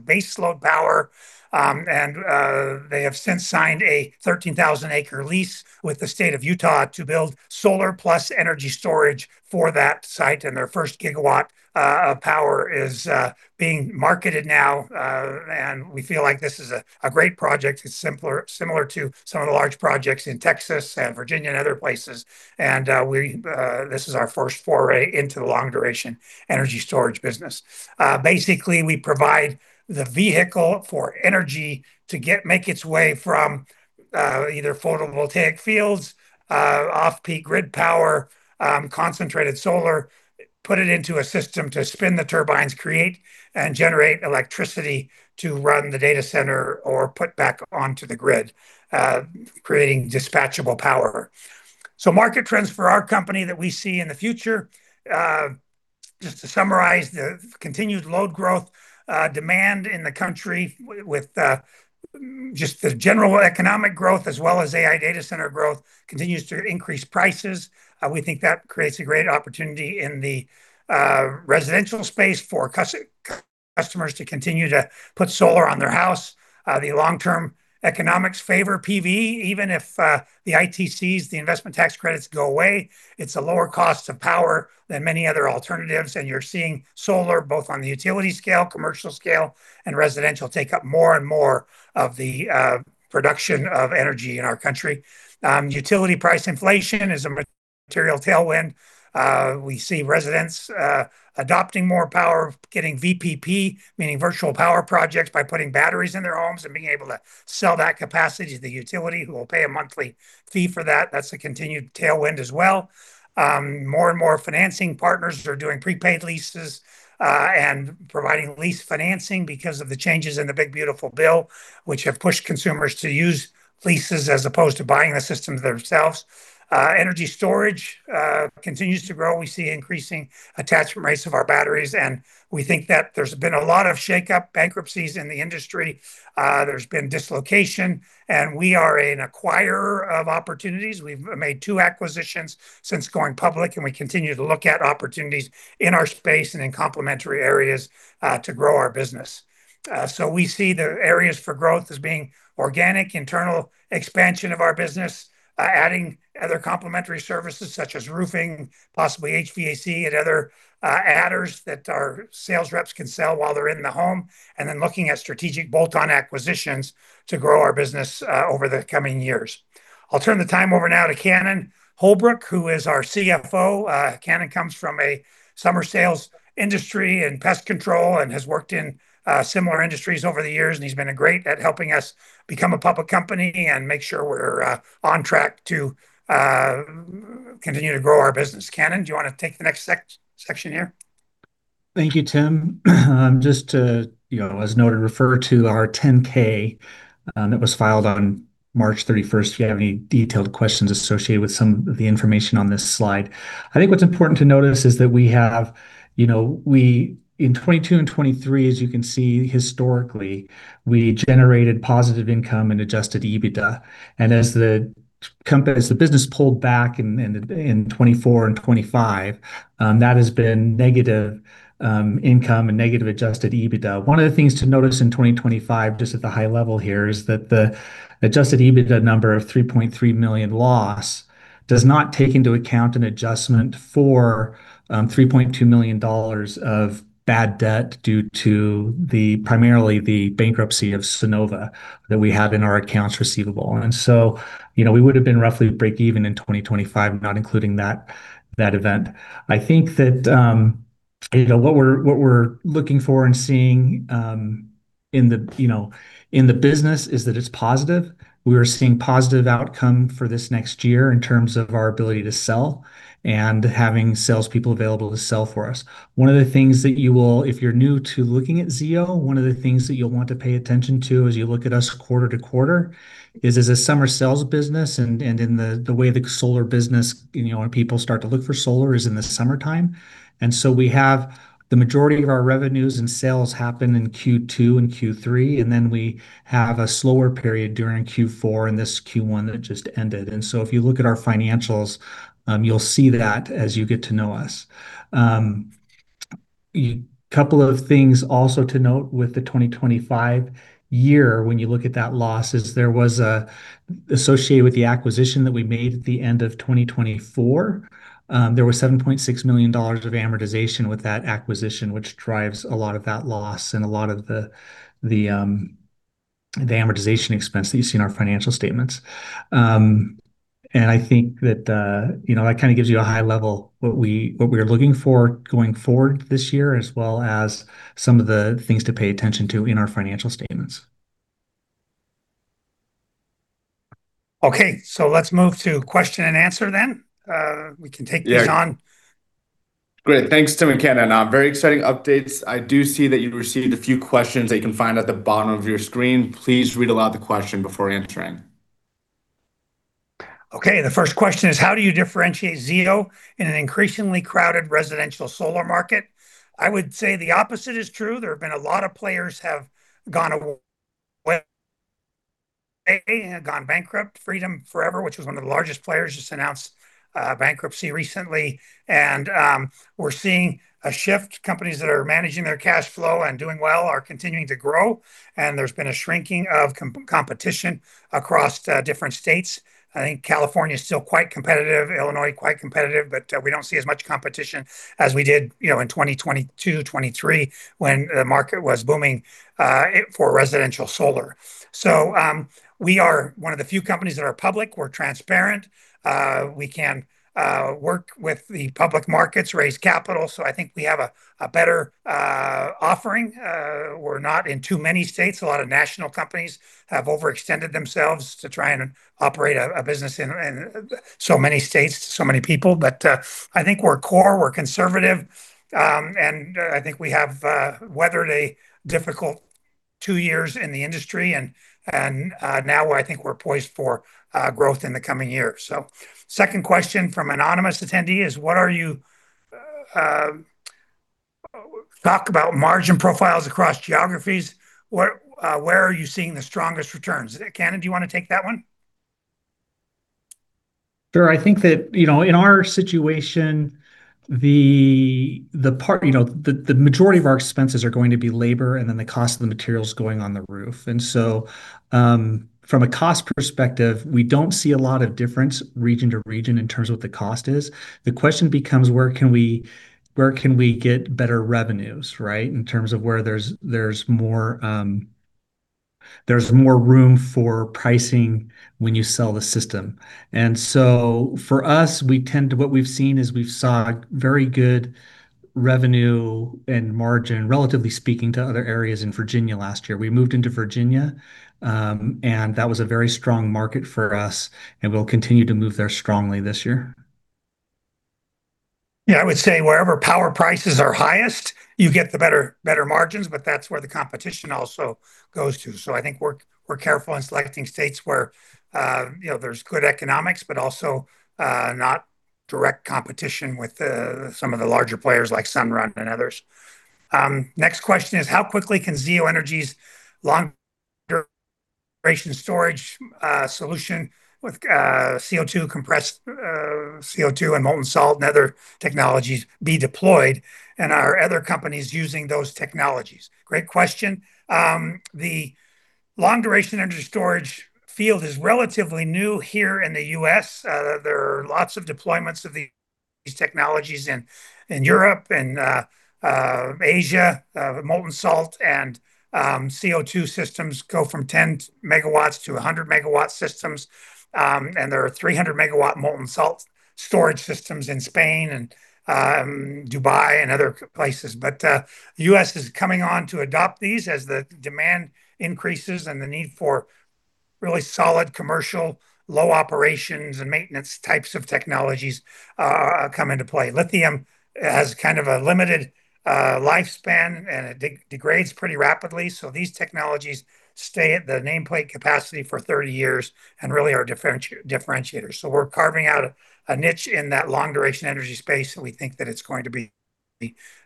baseload power. They have since signed a 13,000-acre lease with the state of Utah to build solar plus energy storage for that site. Their first gigawatt of power is being marketed now. We feel like this is a great project. It's similar to some of the large projects in Texas and Virginia and other places. This is our first foray into the long-duration energy storage business. Basically, we provide the vehicle for energy to make its way from either photovoltaic fields, off-peak grid power, concentrated solar, put it into a system to spin the turbines, create and generate electricity to run the data center or put back onto the grid, creating dispatchable power. Market trends for our company that we see in the future. Just to summarize, the continued load growth, demand in the country with just the general economic growth as well as AI data center growth continues to increase prices. We think that creates a great opportunity in the residential space for customers to continue to put solar on their house. The long-term economics favor PV, even if the ITCs, the investment tax credits, go away. It's a lower cost of power than many other alternatives. You're seeing solar, both on the utility scale, commercial scale, and residential, take up more and more of the production of energy in our country. Utility price inflation is a material tailwind. We see residents adopting more power, getting VPP, meaning virtual power projects, by putting batteries in their homes and being able to sell that capacity to the utility, who will pay a monthly fee for that. That's a continued tailwind as well. More and more financing partners are doing prepaid leases and providing lease financing because of the changes in the Big Beautiful Bill, which have pushed consumers to use leases as opposed to buying the systems themselves. Energy storage continues to grow. We see increasing attachment rates of our batteries, and we think that there's been a lot of shake-up, bankruptcies in the industry. There's been dislocation, and we are an acquirer of opportunities. We've made 2 acquisitions since going public, and we continue to look at opportunities in our space and in complementary areas to grow our business. We see the areas for growth as being organic, internal expansion of our business, adding other complementary services such as roofing, possibly HVAC and other adders that our sales reps can sell while they're in the home, and then looking at strategic bolt-on acquisitions to grow our business over the coming years. I'll turn the time over now to Cannon Holbrook, who is our CFO. Cannon comes from a summer sales industry in pest control and has worked in similar industries over the years, and he's been great at helping us become a public company and make sure we're on track to continue to grow our business. Cannon, do you want to take the next section here? Thank you Tim. Just to, as noted, refer to our 10-K that was filed on March 31st, if you have any detailed questions associated with some of the information on this slide. I think what's important to notice is that we have, in 2022 and 2023, as you can see historically, we generated positive income and adjusted EBITDA. As the business pulled back in 2024 and 2025, that has been negative income and negative adjusted EBITDA. One of the things to notice in 2025, just at the high level here, is that the adjusted EBITDA number of $3.3 million loss does not take into account an adjustment for $3.2 million of bad debt due to primarily the bankruptcy of Sunnova that we had in our accounts receivable. We would have been roughly breakeven in 2025, not including that event. I think that what we're looking for and seeing in the business is that it's positive. We are seeing positive outcome for this next year in terms of our ability to sell and having salespeople available to sell for us. One of the things that you will, if you're new to looking at ZEO, one of the things that you'll want to pay attention to as you look at us quarter to quarter is as a summer sales business, and in the way the solar business, when people start to look for solar is in the summertime. We have the majority of our revenues and sales happen in Q2 and Q3, and then we have a slower period during Q4 and this Q1 that just ended. If you look at our financials, you'll see that as you get to know us. A couple of things also to note with the 2025 year, when you look at that loss, is that there was associated with the acquisition that we made at the end of 2024. There was $7.6 million of amortization with that acquisition, which drives a lot of that loss and a lot of the amortization expense that you see in our financial statements. I think that kind of gives you a high level what we are looking for going forward this year, as well as some of the things to pay attention to in our financial statements. Okay. Let's move to question and answer then. We can take these on. Great. Thanks, Tim and Cannon. Very exciting updates. I do see that you've received a few questions that you can find at the bottom of your screen. Please read aloud the question before answering. Okay. The first question is: How do you differentiate ZEO in an increasingly crowded residential solar market? I would say the opposite is true. There have been a lot of players have gone away and have gone bankrupt. Freedom Forever, which was one of the largest players, just announced bankruptcy recently. We're seeing a shift. Companies that are managing their cash flow and doing well are continuing to grow, and there's been a shrinking of competition across different states. I think California is still quite competitive, Illinois quite competitive, but we don't see as much competition as we did in 2022 to 2023 when the market was booming for residential solar. We are one of the few companies that are public. We're transparent. We can work with the public markets, raise capital. I think we have a better offering. We're not in too many states. A lot of national companies have overextended themselves to try and operate a business in so many states, so many people. I think we're core, we're conservative, and I think we have weathered a difficult two years in the industry and now I think we're poised for growth in the coming years. Second question from anonymous attendee is. Talk about margin profiles across geographies. Where are you seeing the strongest returns? Cannon, do you want to take that one? Sure. I think that, in our situation, the majority of our expenses are going to be labor and then the cost of the materials going on the roof. From a cost perspective, we don't see a lot of difference region to region in terms of what the cost is. The question becomes where can we get better revenues, right, in terms of where there's more room for pricing when you sell the system. For us, what we've seen is we've saw very good revenue and margin, relatively speaking, to other areas in Virginia last year. We moved into Virginia, and that was a very strong market for us, and we'll continue to move there strongly this year. Yeah, I would say wherever power prices are highest, you get the better margins, but that's where the competition also goes to. I think we're careful in selecting states where there's good economics, but also not direct competition with some of the larger players like Sunrun and others. Next question is: How quickly can Zeo Energy's long-duration storage solution with compressed CO2 and molten salt and other technologies be deployed? And are other companies using those technologies? Great question. The long-duration energy storage field is relatively new here in the U.S. There are lots of deployments of these technologies in Europe and Asia. Molten salt and CO2 systems go from 10 MW to 100-MW systems. There are 300-MW molten salt storage systems in Spain and Dubai and other places. The U.S. is coming on to adopt these as the demand increases and the need for really solid commercial, low operations, and maintenance types of technologies come into play. Lithium has kind of a limited lifespan, and it degrades pretty rapidly. These technologies stay at the nameplate capacity for 30 years and really are differentiators. We're carving out a niche in that long-duration energy space, and we think that it's going to be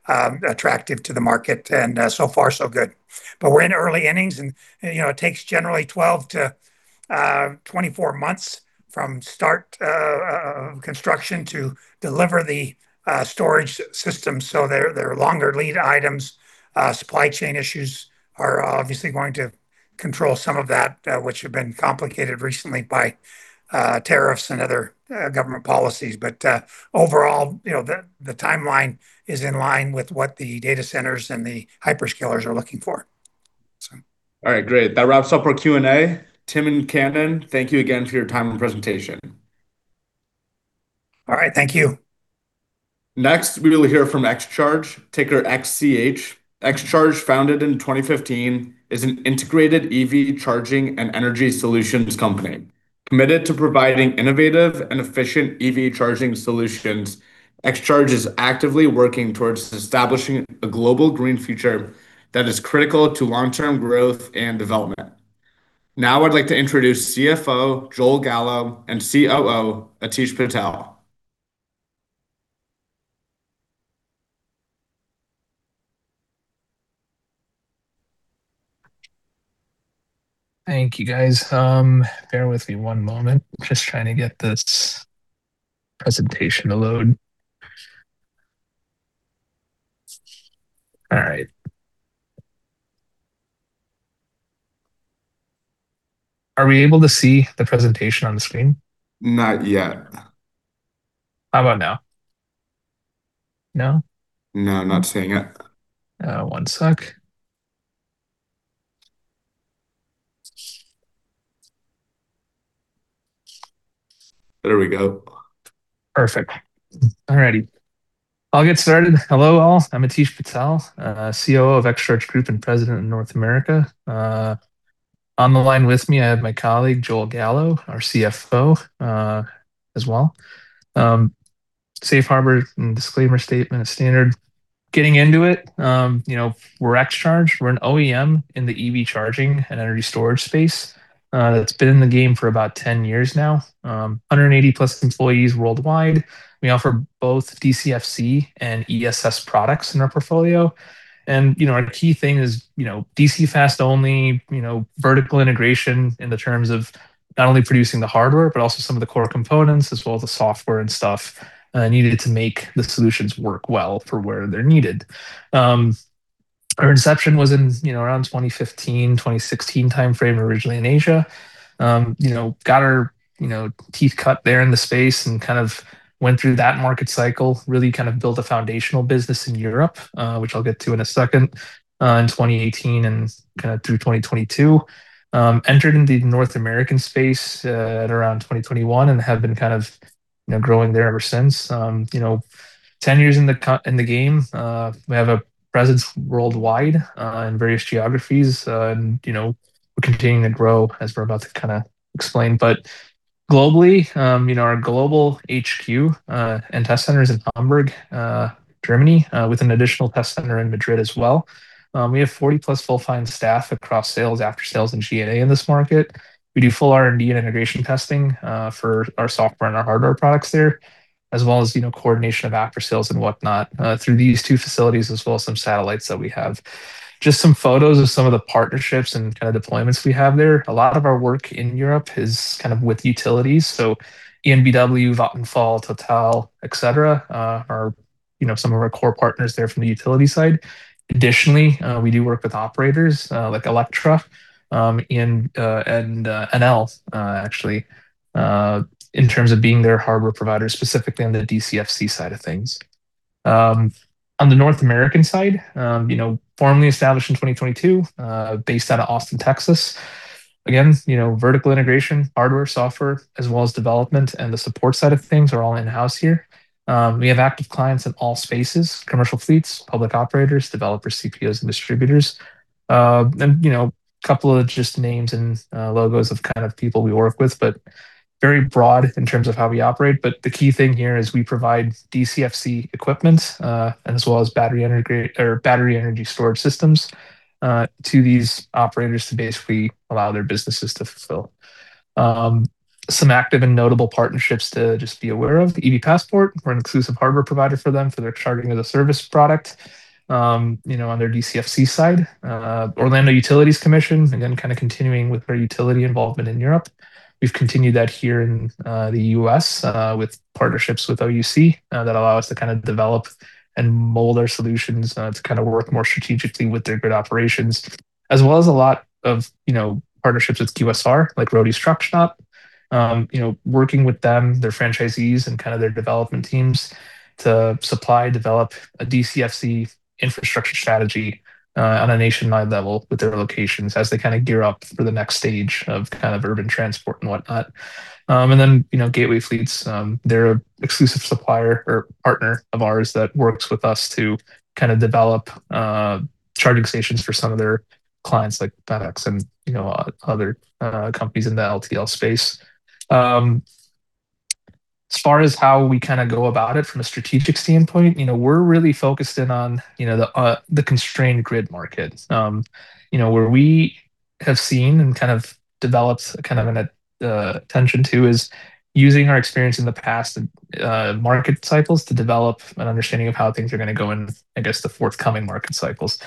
attractive to the market. So far, so good. We're in early innings, and it takes generally 12-24 months from start of construction to deliver the storage system. They're longer lead items. Supply chain issues are obviously going to control some of that, which have been complicated recently by tariffs and other government policies. Overall, the timeline is in line with what the data centers and the hyperscalers are looking for. All right, great. That wraps up our Q&A. Tim and Cannon, thank you again for your time and presentation. All right. Thank you. Next, we will hear from XCharge, ticker XCH. XCharge, founded in 2015, is an integrated EV charging and energy solutions company. Committed to providing innovative and efficient EV charging solutions, XCharge is actively working towards establishing a global green future that is critical to long-term growth and development. Now I'd like to introduce CFO Joel Gallo and COO Aatish Patel. Thank you, guys. Bear with me one moment. Just trying to get this presentation to load. All right. Are we able to see the presentation on the screen? Not yet. How about now? No? No, I'm not seeing it. One sec. There we go. Perfect. All righty. I'll get started. Hello all. I'm Aatish Patel, COO of XCharge Group and President of North America. On the line with me, I have my colleague, Joel Gallo, our CFO, as well. Safe harbor and disclaimer statement is standard. Getting into it, we're XCharge. We're an OEM in the EV charging and energy storage space. It's been in the game for about 10 years now. 180+ employees worldwide. We offer both DCFC and ESS products in our portfolio. Our key thing is DC fast only, vertical integration in the terms of not only producing the hardware, but also some of the core components as well as the software and stuff needed to make the solutions work well for where they're needed. Our inception was around 2015, 2016 timeframe, originally in Asia. got our teeth cut there in the space and kind of went through that market cycle, really built a foundational business in Europe, which I'll get to in a second, in 2018 and through 2022. We entered in the North American space at around 2021 and have been growing there ever since. 10 years in the game. We have a presence worldwide, in various geographies. We're continuing to grow as we're about to explain. Globally, our global HQ and test center is in Hamburg, Germany, with an additional test center in Madrid as well. We have 40+ full-time staff across sales, after-sales, and G&A in this market. We do full R&D and integration testing for our software and our hardware products there, as well as coordination of after-sales and whatnot, through these two facilities, as well as some satellites that we have. Just some photos of some of the partnerships and kind of deployments we have there. A lot of our work in Europe is with utilities. EnBW, Vattenfall, Total, et cetera, are some of our core partners there from the utility side. Additionally, we do work with operators, like Electra, and Enel, actually, in terms of being their hardware provider, specifically on the DCFC side of things. On the North American side, formally established in 2022, based out of Austin, Texas. Again, vertical integration, hardware, software, as well as development and the support side of things are all in-house here. We have active clients in all spaces, commercial fleets, public operators, developers, CPOs, and distributors. Couple of just names and logos of kind of people we work with, but very broad in terms of how we operate. The key thing here is we provide DCFC equipment, and as well as battery energy storage systems, to these operators to basically allow their businesses to fulfill. Some active and notable partnerships to just be aware of. EVPassport, we're an exclusive hardware provider for them for their charging as a service product, on their DCFC side. Orlando Utilities Commission, again, kind of continuing with our utility involvement in Europe. We've continued that here in the U.S. with partnerships with OUC, that allow us to develop and mold our solutions to work more strategically with their grid operations. As well as a lot of partnerships with QSR, like Roady's Truck Stops. Working with them, their franchisees, and their development teams to supply, develop a DCFC infrastructure strategy on a nationwide level with their locations as they gear up for the next stage of urban transport and whatnot. Gateway Fleets, they're an exclusive supplier or partner of ours that works with us to develop charging stations for some of their clients, like FedEx and other companies in the LTL space. As far as how we go about it from a strategic standpoint, we're really focused in on the constrained grid market, where we have seen and kind of developed an intention to is using our experience in the past market cycles to develop an understanding of how things are going to go in, I guess, the forthcoming market cycles.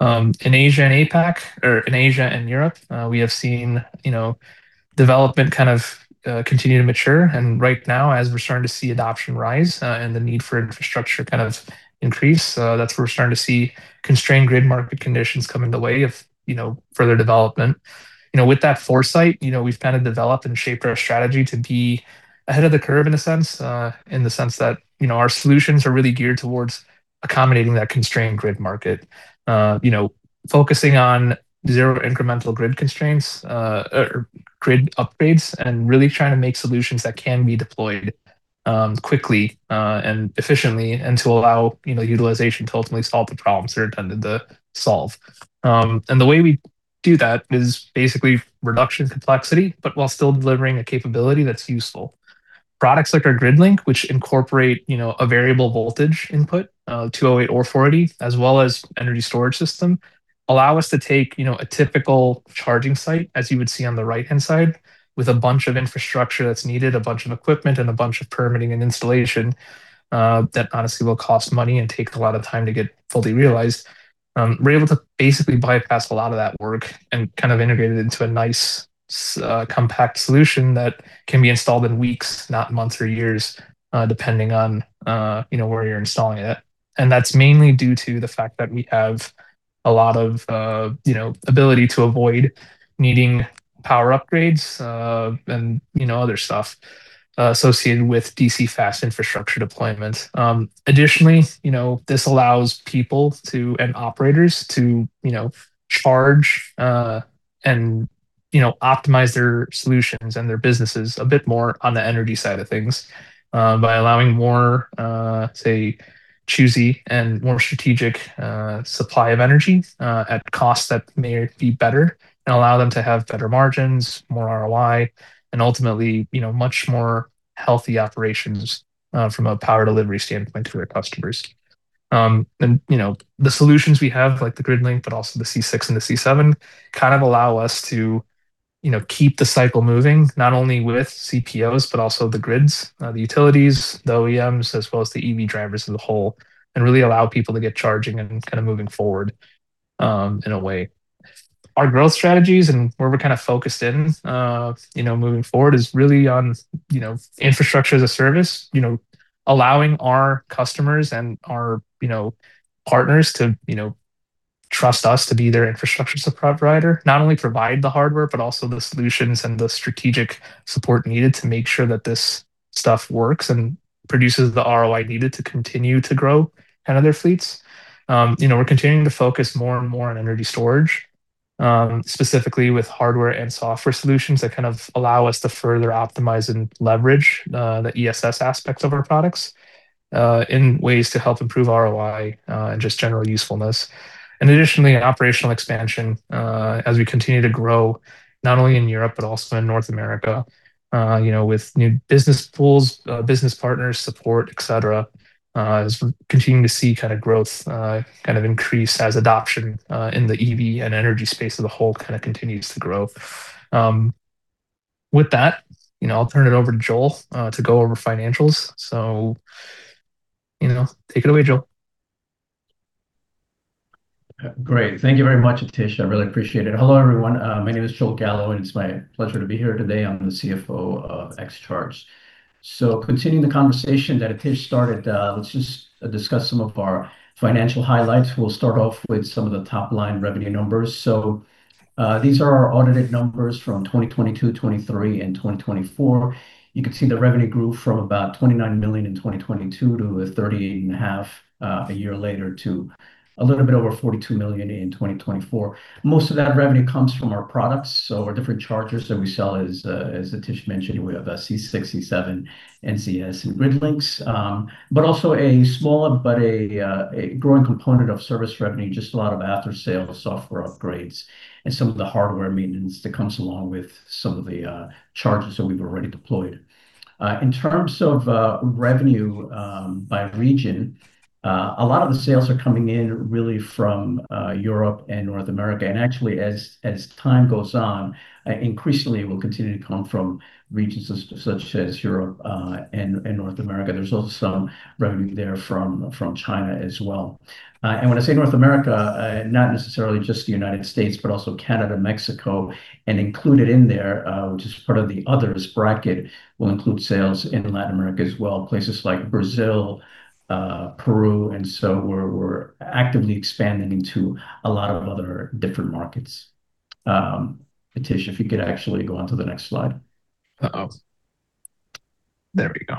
In Asia and APAC or in Asia and Europe, we have seen development kind of continue to mature. Right now, as we're starting to see adoption rise and the need for infrastructure increase, that's where we're starting to see constrained grid market conditions come in the way of further development. With that foresight, we've developed and shaped our strategy to be ahead of the curve in a sense that our solutions are really geared towards accommodating that constrained grid market. Focusing on zero incremental grid constraints or grid upgrades, and really trying to make solutions that can be deployed quickly and efficiently and to allow utilization to ultimately solve the problems they're intended to solve. The way we do that is basically reducing complexity, but while still delivering a capability that's useful. Products like our GridLink, which incorporate a variable voltage input of 208 or 480, as well as energy storage system, allow us to take a typical charging site as you would see on the right-hand side with a bunch of infrastructure that's needed, a bunch of equipment, and a bunch of permitting and installation, that honestly will cost money and take a lot of time to get fully realized. We're able to basically bypass a lot of that work and integrate it into a nice, compact solution that can be installed in weeks, not months or years, depending on where you're installing it. That's mainly due to the fact that we have a lot of ability to avoid needing power upgrades, and other stuff associated with DC fast infrastructure deployment. Additionally, this allows people and operators to charge and optimize their solutions and their businesses a bit more on the energy side of things, by allowing more, say, choosy and more strategic supply of energy at costs that may be better and allow them to have better margins, more ROI, and ultimately much more healthy operations from a power delivery standpoint to their customers. The solutions we have, like the GridLink, but also the C6 and the C7, kind of allow us to keep the cycle moving, not only with CPOs, but also the grids, the utilities, the OEMs, as well as the EV drivers as a whole, and really allow people to get charging and kind of moving forward in a way. Our growth strategies and where we're kind of focused in moving forward is really on infrastructure as a service. Allowing our customers and our partners to trust us to be their infrastructure support provider. We not only provide the hardware, but also the solutions and the strategic support needed to make sure that this stuff works and produces the ROI needed to continue to grow their fleets. We're continuing to focus more and more on energy storage, specifically with hardware and software solutions that kind of allow us to further optimize and leverage the ESS aspects of our products, in ways to help improve ROI, and just general usefulness. Additionally, operational expansion, as we continue to grow not only in Europe but also in North America. With new business pools, business partners, support, et cetera, as we're continuing to see growth increase as adoption in the EV and energy space as a whole kind of continues to grow. With that, I'll turn it over to Joel to go over financials. Take it away, Joel. Great. Thank you very much, Aatish. I really appreciate it. Hello, everyone. My name is Joel Gallo, and it's my pleasure to be here today. I'm the CFO of XCharge. Continuing the conversation that Aatish started, let's just discuss some of our financial highlights. We'll start off with some of the top-line revenue numbers. These are our audited numbers from 2022, 2023, and 2024. You can see the revenue grew from about $29 million in 2022 to $38.5 million a year later, to a little bit over $42 million in 2024. Most of that revenue comes from our products. Our different chargers that we sell, as Aatish mentioned, we have C6, C7, NZS, and GridLink. Also a smaller, but a growing component of service revenue, just a lot of after-sale software upgrades and some of the hardware maintenance that comes along with some of the chargers that we've already deployed. In terms of revenue by region, a lot of the sales are coming in really from Europe and North America. Actually as time goes on, increasingly, it will continue to come from regions such as Europe and North America. There's also some revenue there from China as well. When I say North America, not necessarily just the United States, but also Canada, Mexico, and included in there, which is part of the others bracket, will include sales in Latin America as well, places like Brazil, Peru. We're actively expanding into a lot of other different markets. Aatish, if you could actually go on to the next slide. There we go.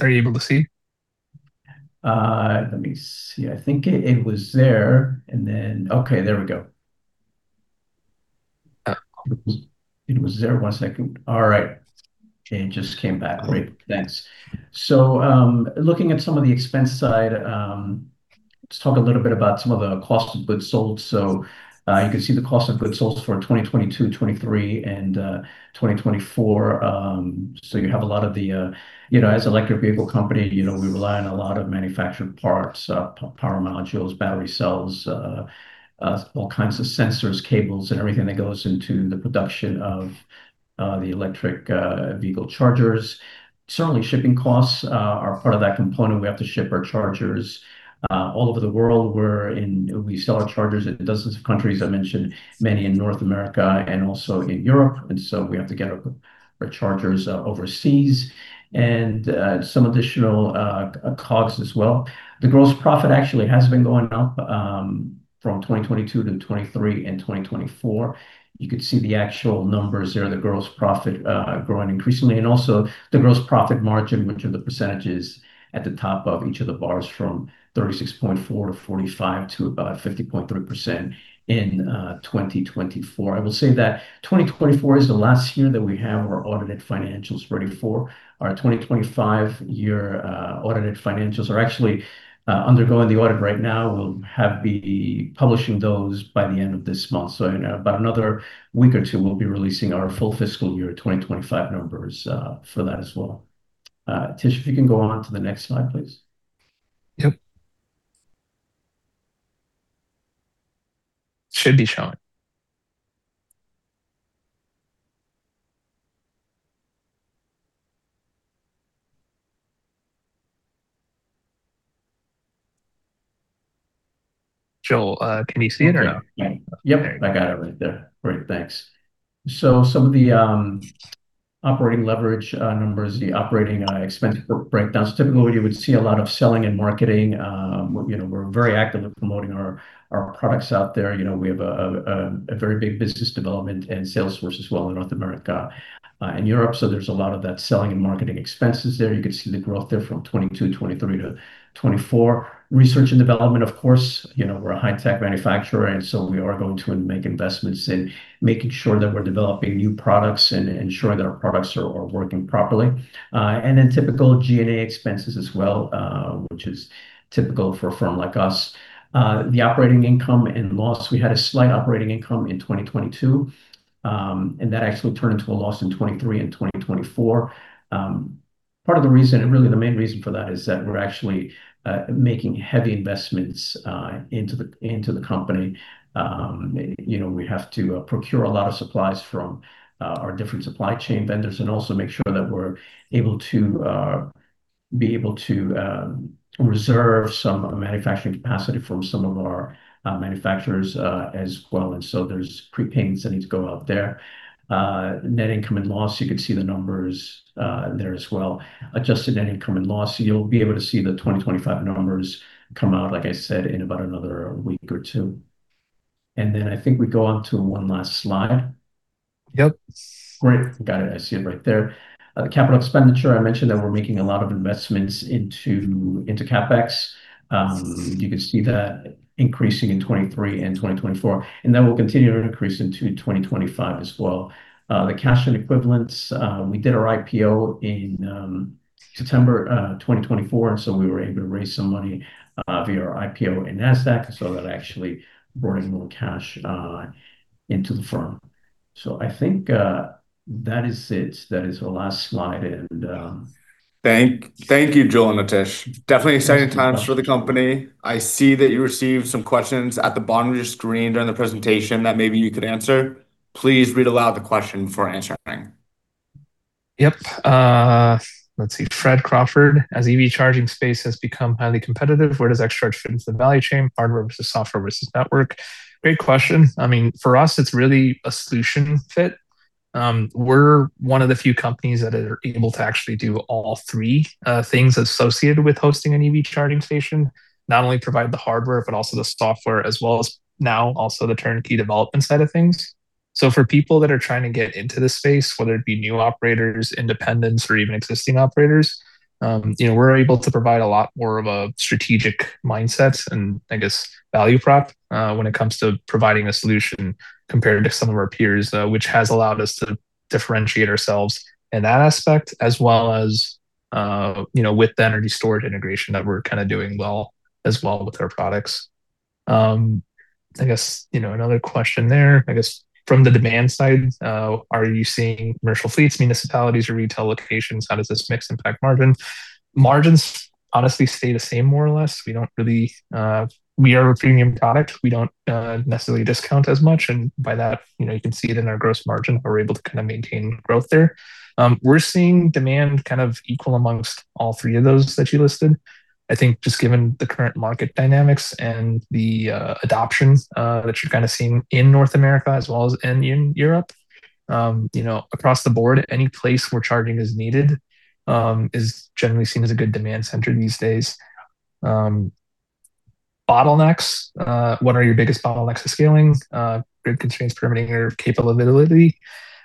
Are you able to see? Let me see. I think it was there. Okay, there we go. Oh. It was there one second. All right. It just came back. Great. Thanks. Looking at some of the expense side, let's talk a little bit about some of the cost of goods sold. You can see the cost of goods sold for 2022, 2023, and 2024. You have a lot of the, as an electric vehicle company, we rely on a lot of manufactured parts, power modules, battery cells, all kinds of sensors, cables, and everything that goes into the production of the electric vehicle chargers. Certainly, shipping costs are part of that component. We have to ship our chargers all over the world. We sell our chargers in dozens of countries, I mentioned many in North America and also in Europe, and so we have to get our chargers overseas and some additional COGS as well. The gross profit actually has been going up from 2022 to 2023 and 2024. You could see the actual numbers there, the gross profit growing increasingly, and also the gross profit margin, which are the percentages at the top of each of the bars from 36.4% to 45% to about 50.3% in 2024. I will say that 2024 is the last year that we have our audited financials ready for. Our 2025 year audited financials are actually undergoing the audit right now. We'll be publishing those by the end of this month. In about another week or two, we'll be releasing our full fiscal year 2025 numbers for that as well. Aatish, if you can go on to the next slide, please. Yep. Should be showing. Joel, can you see it or no? Yep, I got it right there. Great. Thanks. Some of the operating leverage numbers, the operating expense breakdowns. Typically, you would see a lot of selling and marketing. We're very active in promoting our products out there. We have a very big business development and sales force as well in North America and Europe. There's a lot of that selling and marketing expenses there. You could see the growth there from 2022, 2023 to 2024. Research and development, of course, we're a high-tech manufacturer, and so we are going to make investments in making sure that we're developing new products and ensuring that our products are working properly. Then typical G&A expenses as well, which is typical for a firm like us. The operating income and loss, we had a slight operating income in 2022. That actually turned into a loss in 2023 and 2024. Part of the reason, and really the main reason for that, is that we're actually making heavy investments into the company. We have to procure a lot of supplies from our different supply chain vendors and also make sure that we're able to reserve some manufacturing capacity from some of our manufacturers as well. There's prepayments that need to go out there. Net income and loss, you could see the numbers there as well. Adjusted net income and loss, you'll be able to see the 2025 numbers come out, like I said, in about another week or two. I think we go on to one last slide. Yep. Great. Got it. I see it right there. Capital expenditure, I mentioned that we're making a lot of investments into CapEx. You can see that increasing in 2023 and 2024, and that will continue to increase into 2025 as well. The cash and equivalents, we did our IPO in September 2024, and so we were able to raise some money via our IPO in Nasdaq. So that actually brought in more cash into the firm. So I think that is it. That is the last slide. Thank you, Joel and Aatish. Definitely exciting times for the company. I see that you received some questions at the bottom of your screen during the presentation that maybe you could answer. Please read aloud the question before answering. Yep. Let's see, Fred Crawford. As EV charging space has become highly competitive, where does XCharge fit into the value chain, hardware versus software versus network? Great question. I mean, for us, it's really a solution fit. We're one of the few companies that are able to actually do all three things associated with hosting an EV charging station. Not only provide the hardware, but also the software, as well as now also the turnkey development side of things. For people that are trying to get into this space, whether it be new operators, independents, or even existing operators, we're able to provide a lot more of a strategic mindset and I guess value prop, when it comes to providing a solution compared to some of our peers, which has allowed us to differentiate ourselves in that aspect as well as with the energy storage integration that we're doing well as well with our products. I guess, another question there, I guess from the demand side, are you seeing commercial fleets, municipalities, or retail locations? How does this mix impact margin? Margins honestly stay the same more or less. We are a premium product. We don't necessarily discount as much, and by that, you can see it in our gross margin. We're able to maintain growth there. We're seeing demand equal among all three of those that you listed. I think just given the current market dynamics and the adoption that you're seeing in North America as well as in Europe, across the board, any place where charging is needed, is generally seen as a good demand center these days. Bottlenecks. What are your biggest bottlenecks to scaling? Grid constraints, permitting, your capability.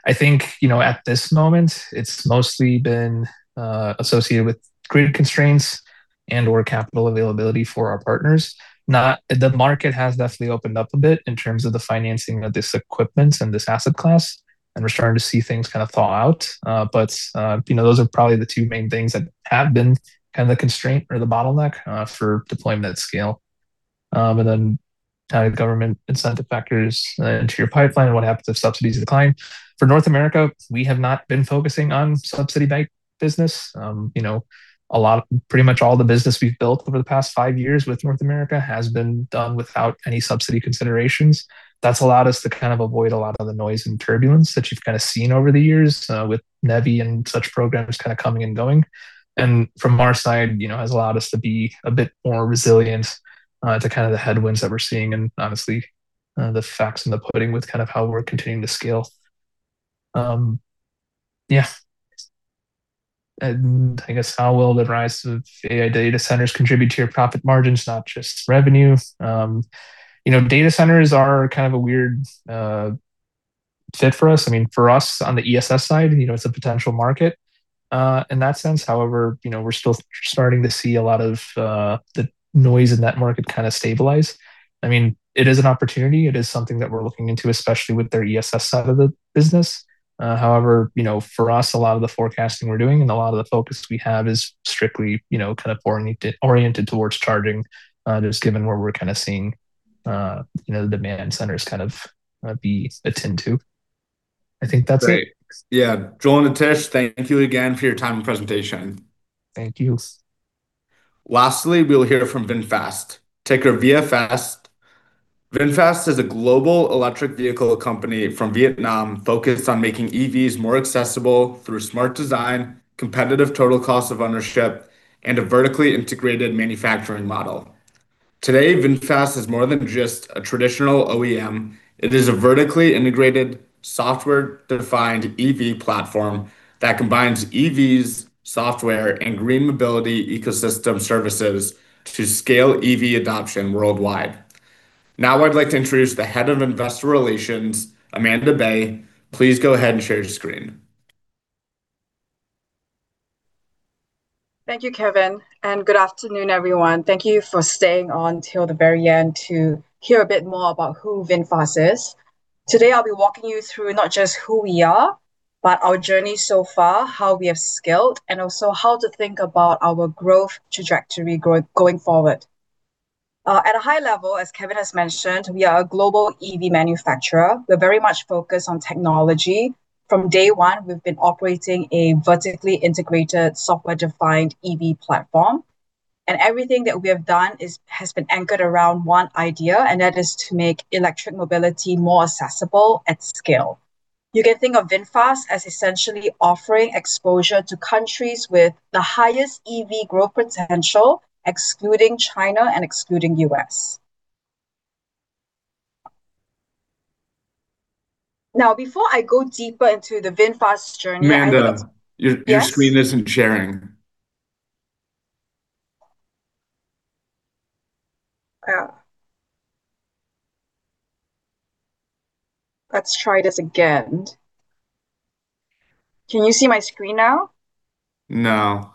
I think, at this moment, it's mostly been associated with grid constraints and/or capital availability for our partners. Now, the market has definitely opened up a bit in terms of the financing of this equipment and this asset class, and we're starting to see things thaw out. Those are probably the two main things that have been the constraint or the bottleneck for deployment at scale. How do government incentive factors into your pipeline? What happens if subsidies decline? For North America, we have not been focusing on subsidy-backed business. Pretty much all the business we've built over the past five years with North America has been done without any subsidy considerations. That's allowed us to avoid a lot of the noise and turbulence that you've seen over the years, with NEVI and such programs coming and going. From our side, has allowed us to be a bit more resilient to the headwinds that we're seeing, and honestly, the facts and the footing with how we're continuing to scale. Yeah. I guess how will the rise of AI data centers contribute to your profit margins, not just revenue? Data centers are kind of a weird fit for us. I mean, for us on the ESS side, it's a potential market in that sense. However, we're still starting to see a lot of the noise in that market stabilize. I mean, it is an opportunity. It is something that we're looking into, especially with their ESS side of the business. However, for us, a lot of the forecasting we're doing and a lot of the focus we have is strictly oriented towards charging, just given where we're seeing the demand centers be tending to. I think that's it. Great. Yeah. Joel and Aatish, thank you again for your time and presentation. Thank you. Lastly, we'll hear from VinFast, ticker VFS. VinFast is a global electric vehicle company from Vietnam focused on making EVs more accessible through smart design, competitive total cost of ownership, and a vertically integrated manufacturing model. Today, VinFast is more than just a traditional OEM. It is a vertically integrated software-defined EV platform that combines EVs, software, and green mobility ecosystem services to scale EV adoption worldwide. Now I'd like to introduce the Head of Investor Relations, Amandae Baey. Please go ahead and share your screen. Thank you, Kevin, and good afternoon, everyone. Thank you for staying on till the very end to hear a bit more about who VinFast is. Today, I'll be walking you through not just who we are, but our journey so far, how we have scaled, and also how to think about our growth trajectory going forward. At a high level, as Kevin has mentioned, we are a global EV manufacturer. We're very much focused on technology. From day one, we've been operating a vertically integrated software-defined EV platform, and everything that we have done has been anchored around one idea, and that is to make electric mobility more accessible at scale. You can think of VinFast as essentially offering exposure to countries with the highest EV growth potential, excluding China and excluding U.S. Now, before I go deeper into the VinFast journey. Amandae? Yes. Your screen isn't sharing. Oh. Let's try this again. Can you see my screen now? No.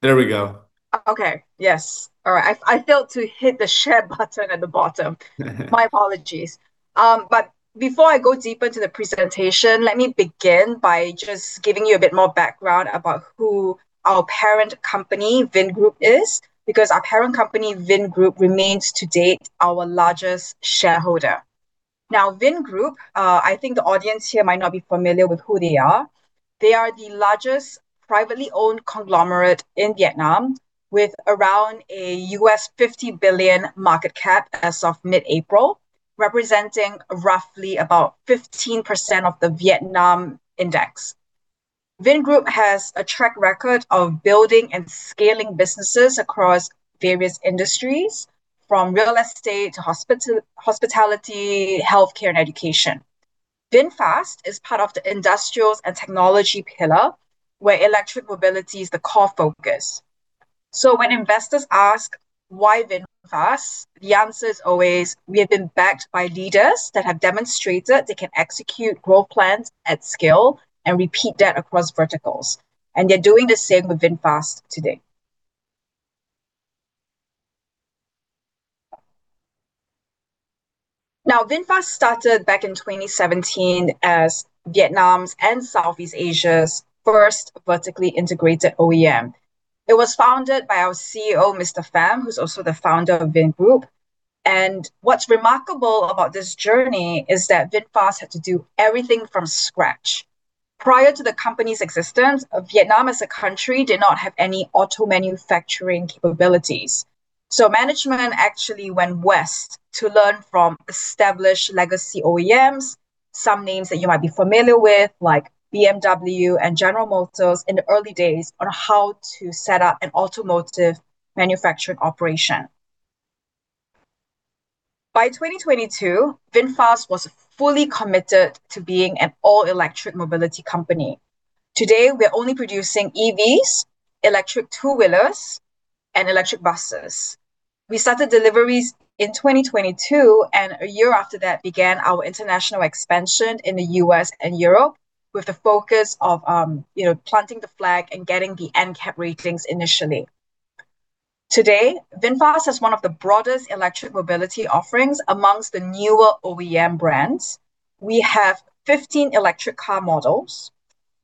There we go. Okay. Yes. All right. I failed to hit the share button at the bottom. My apologies. Before I go deeper into the presentation, let me begin by just giving you a bit more background about who our parent company, Vingroup, is, because our parent company, Vingroup, remains to date our largest shareholder. Now, Vingroup, I think the audience here might not be familiar with who they are. They are the largest privately owned conglomerate in Vietnam with around a $50 billion market cap as of mid-April, representing roughly about 15% of the Vietnam index. Vingroup has a track record of building and scaling businesses across various industries, from real estate to hospitality, healthcare, and education. VinFast is part of the industrials and technology pillar, where electric mobility is the core focus. When investors ask why VinFast, the answer is always we have been backed by leaders that have demonstrated they can execute growth plans at scale and repeat that across verticals, and they're doing the same with VinFast today. Now, VinFast started back in 2017 as Vietnam's and Southeast Asia's first vertically integrated OEM. It was founded by our CEO, Mr. Pham, who's also the founder of Vingroup. What's remarkable about this journey is that VinFast had to do everything from scratch. Prior to the company's existence, Vietnam as a country did not have any auto manufacturing capabilities. Management actually went west to learn from established legacy OEMs, some names that you might be familiar with, like BMW and General Motors in the early days, on how to set up an automotive manufacturing operation. By 2022, VinFast was fully committed to being an all-electric mobility company. Today, we're only producing EVs, electric two-wheelers, and electric buses. We started deliveries in 2022, and a year after that began our international expansion in the U.S. and Europe with the focus of planting the flag and getting the NCAP ratings initially. Today, VinFast has one of the broadest electric mobility offerings amongst the newer OEM brands. We have 15 electric car models,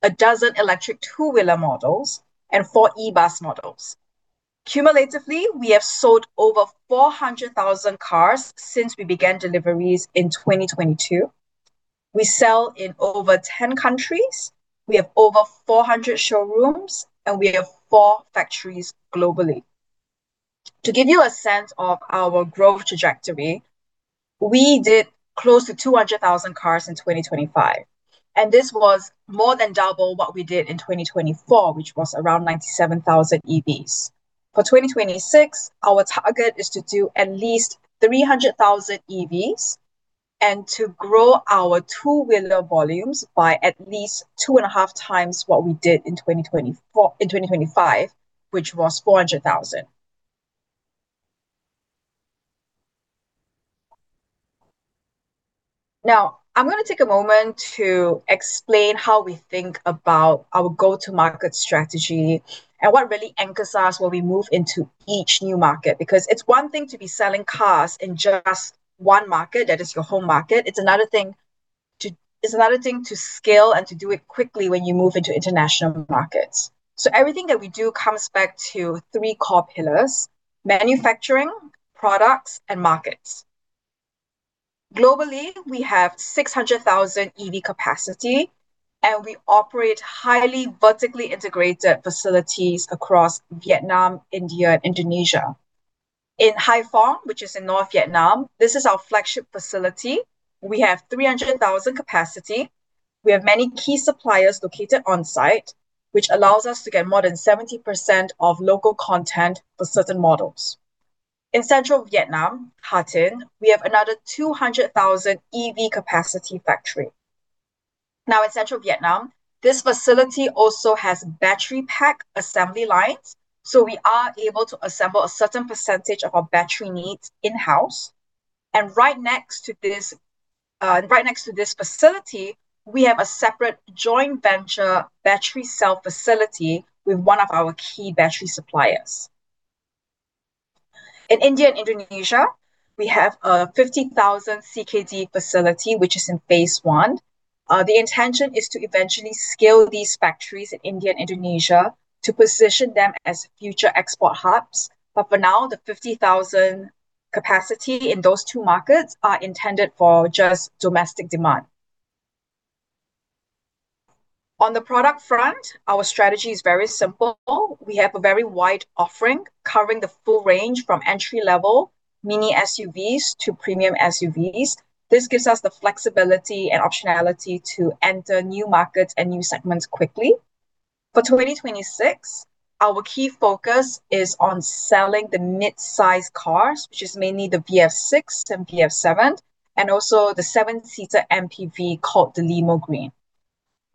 12 electric two-wheeler models, and 4 e-bus models. Cumulatively, we have sold over 400,000 cars since we began deliveries in 2022. We sell in over 10 countries. We have over 400 showrooms, and we have 4 factories globally. To give you a sense of our growth trajectory, we did close to 200,000 cars in 2025, and this was more than double what we did in 2024, which was around 97,000 EVs. For 2026, our target is to do at least 300,000 EVs and to grow our two-wheeler volumes by at least 2.5 times what we did in 2025, which was 400,000. Now, I'm going to take a moment to explain how we think about our go-to-market strategy and what really anchors us when we move into each new market, because it's one thing to be selling cars in just one market, that is your home market. It's another thing to scale and to do it quickly when you move into international markets. Everything that we do comes back to three core pillars, manufacturing, products, and markets. Globally, we have 600,000 EV capacity, and we operate highly vertically integrated facilities across Vietnam, India, and Indonesia. In Haiphong, which is in North Vietnam, this is our flagship facility. We have 300,000 capacity. We have many key suppliers located on-site, which allows us to get more than 70% of local content for certain models. In central Vietnam, Hà Tĩnh, we have another 200,000 EV capacity factory. Now in central Vietnam, this facility also has battery pack assembly lines, so we are able to assemble a certain percentage of our battery needs in-house. Right next to this facility, we have a separate joint venture battery cell facility with one of our key battery suppliers. In India and Indonesia, we have a 50,000 CKD facility, which is in phase one. The intention is to eventually scale these factories in India and Indonesia to position them as future export hubs. For now, the 50,000 capacity in those two markets are intended for just domestic demand. On the product front, our strategy is very simple. We have a very wide offering covering the full range from entry-level mini SUVs to premium SUVs. This gives us the flexibility and optionality to enter new markets and new segments quickly. For 2026, our key focus is on selling the mid-size cars, which is mainly the VF 6 and VF 7, and also the seven-seater MPV called the Limo Green.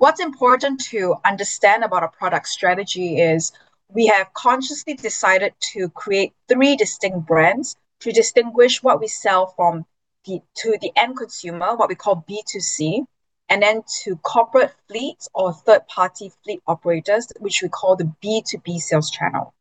What's important to understand about our product strategy is we have consciously decided to create three distinct brands to distinguish what we sell to the end consumer, what we call B2C, and then to corporate fleets or third-party fleet operators, which we call the B2B sales channel.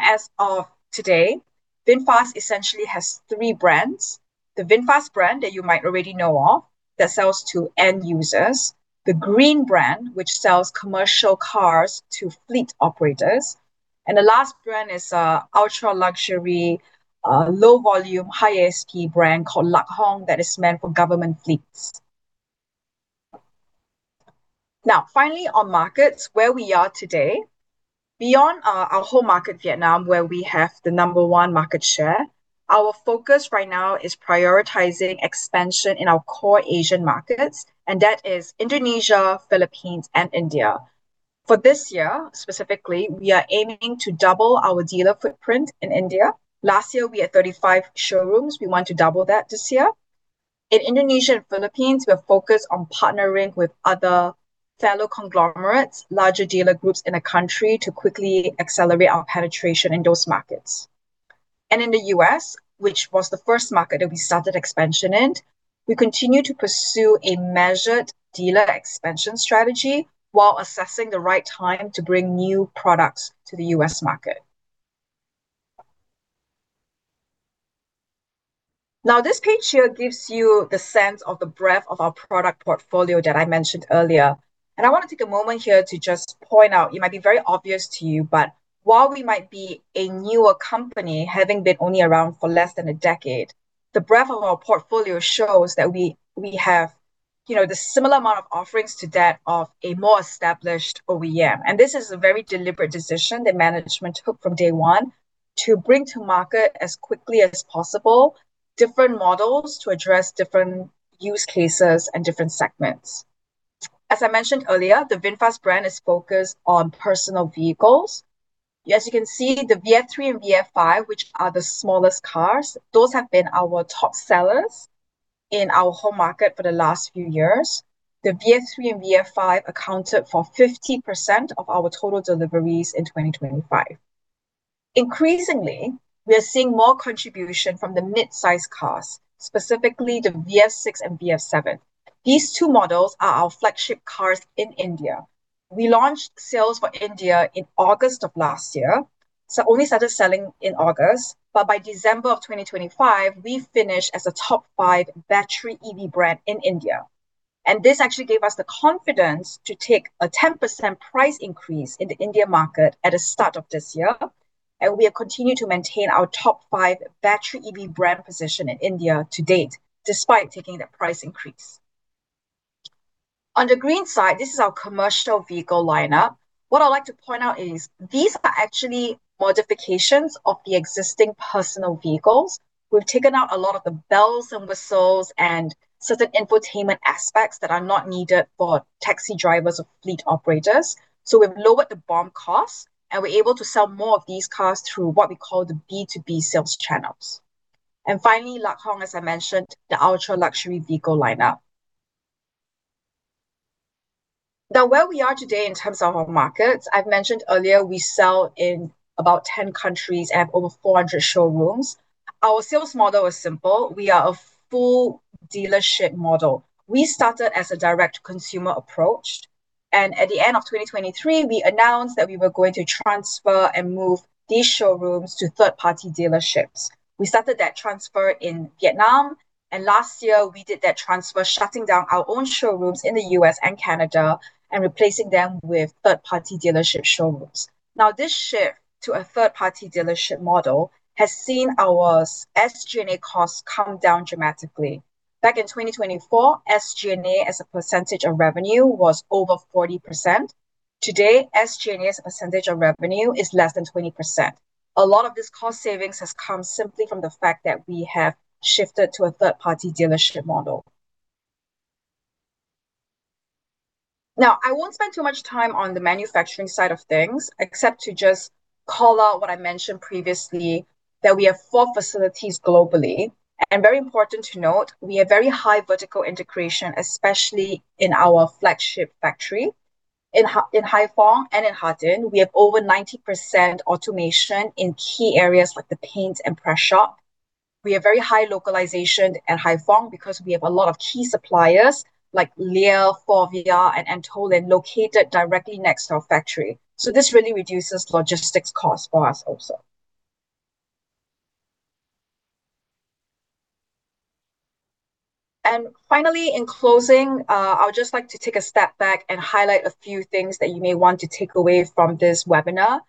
As of today, VinFast essentially has three brands, the VinFast brand that you might already know of that sells to end users, the Green brand, which sells commercial cars to fleet operators, and the last brand is an ultra-luxury, low-volume, high-spec brand called Lạc Hồng that is meant for government fleets. Now, finally, on the markets where we are today, beyond our home market, Vietnam, where we have the number one market share, our focus right now is prioritizing expansion in our core Asian markets, and that is Indonesia, Philippines, and India. For this year, specifically, we are aiming to double our dealer footprint in India. Last year, we had 35 showrooms. We want to double that this year. In Indonesia and Philippines, we are focused on partnering with other fellow conglomerates, larger dealer groups in the country to quickly accelerate our penetration in those markets. In the U.S., which was the first market that we started expansion in, we continue to pursue a measured dealer expansion strategy while assessing the right time to bring new products to the U.S. market. Now, this page here gives you the sense of the breadth of our product portfolio that I mentioned earlier. I want to take a moment here to just point out, it might be very obvious to you, but while we might be a newer company, having been only around for less than a decade, the breadth of our portfolio shows that we have the similar amount of offerings to that of a more established OEM. This is a very deliberate decision that management took from day one to bring to market as quickly as possible different models to address different use cases and different segments. As I mentioned earlier, the VinFast brand is focused on personal vehicles. As you can see, the VF 3 and VF 5, which are the smallest cars, those have been our top sellers in our home market for the last few years. The VF 3 and VF 5 accounted for 50% of our total deliveries in 2025. Increasingly, we are seeing more contribution from the mid-size cars, specifically the VF 6 and VF 7. These two models are our flagship cars in India. We launched sales for India in August of last year, so only started selling in August. By December of 2025, we finished as a top five battery EV brand in India. This actually gave us the confidence to take a 10% price increase in the India market at the start of this year. We have continued to maintain our top five battery EV brand position in India to date, despite taking that price increase. On the Green side, this is our commercial vehicle lineup. What I'd like to point out is these are actually modifications of the existing personal vehicles. We've taken out a lot of the bells and whistles and certain infotainment aspects that are not needed for taxi drivers or fleet operators. We've lowered the BOM cost, and we're able to sell more of these cars through what we call the B2B sales channels. Finally, Lac Hong, as I mentioned, the ultra-luxury vehicle lineup. Now where we are today in terms of our markets, I've mentioned earlier we sell in about 10 countries and have over 400 showrooms. Our sales model is simple. We are a full dealership model. We started as a direct-to-consumer approach, and at the end of 2023, we announced that we were going to transfer and move these showrooms to third-party dealerships. We started that transfer in Vietnam, and last year we did that transfer, shutting down our own showrooms in the U.S. and Canada and replacing them with third-party dealership showrooms. Now, this shift to a third-party dealership model has seen our SG&A costs come down dramatically. Back in 2024, SG&A as a percentage of revenue was over 40%. Today, SG&A as a percentage of revenue is less than 20%. A lot of this cost savings has come simply from the fact that we have shifted to a third-party dealership model. Now, I won't spend too much time on the manufacturing side of things, except to just call out what I mentioned previously, that we have four facilities globally, and very important to note, we have very high vertical integration, especially in our flagship factory. In Hải Phòng and in Hà Tĩnh, we have over 90% automation in key areas like the paint and press shop. We have very high localization at Hải Phòng because we have a lot of key suppliers like Lear, Faurecia, and Antolin located directly next to our factory. This really reduces logistics cost for us also. Finally, in closing, I would just like to take a step back and highlight a few things that you may want to take away from this webinar.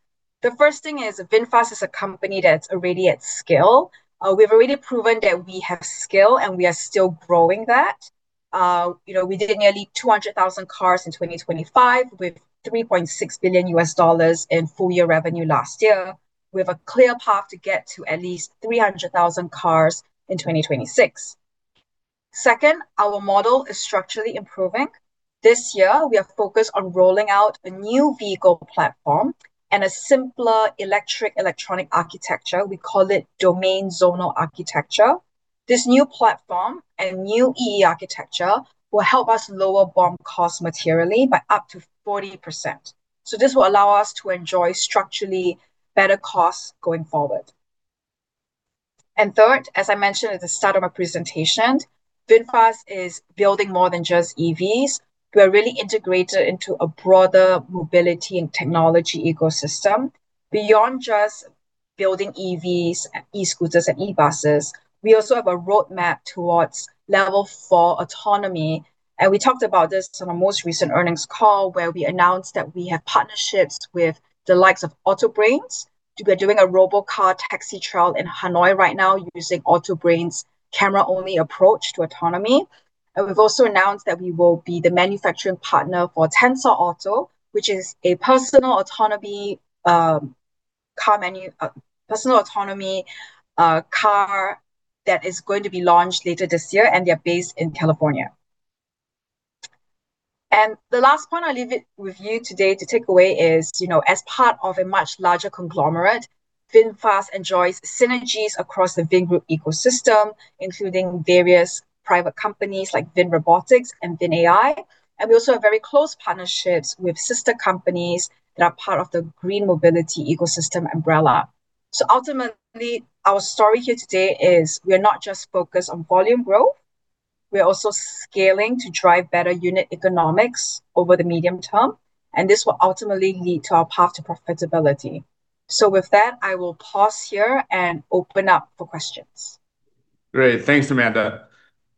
The first thing is VinFast is a company that's already at scale. We have already proven that we have scale, and we are still growing that. We did nearly 200,000 cars in 2025 with $3.6 billion in full-year revenue last year. We have a clear path to get to at least 300,000 cars in 2026. Second, our model is structurally improving. This year, we are focused on rolling out a new vehicle platform and a simpler E/E architecture. We call it domain zonal architecture. This new platform and new E/E architecture will help us lower BOM cost materially by up to 40%. This will allow us to enjoy structurally better costs going forward. Third, as I mentioned at the start of my presentation, VinFast is building more than just EVs. We are really integrated into a broader mobility and technology ecosystem. Beyond just building EVs, e-scooters, and e-buses, we also have a roadmap towards level four autonomy, and we talked about this on our most recent earnings call where we announced that we have partnerships with the likes of Autobrains. We are doing a robot car taxi trial in Hanoi right now using Autobrains' camera-only approach to autonomy. We've also announced that we will be the manufacturing partner for Tensor, which is a personal autonomy car that is going to be launched later this year, and they're based in California. The last point I leave with you today to take away is, as part of a much larger conglomerate, VinFast enjoys synergies across the Vingroup ecosystem, including various private companies like VinRobotics and VinAI. We also have very close partnerships with sister companies that are part of the green mobility ecosystem umbrella. Ultimately, our story here today is we're not just focused on volume growth, we are also scaling to drive better unit economics over the medium term, and this will ultimately lead to our path to profitability. With that, I will pause here and open up for questions. Great. Thanks, Amandae.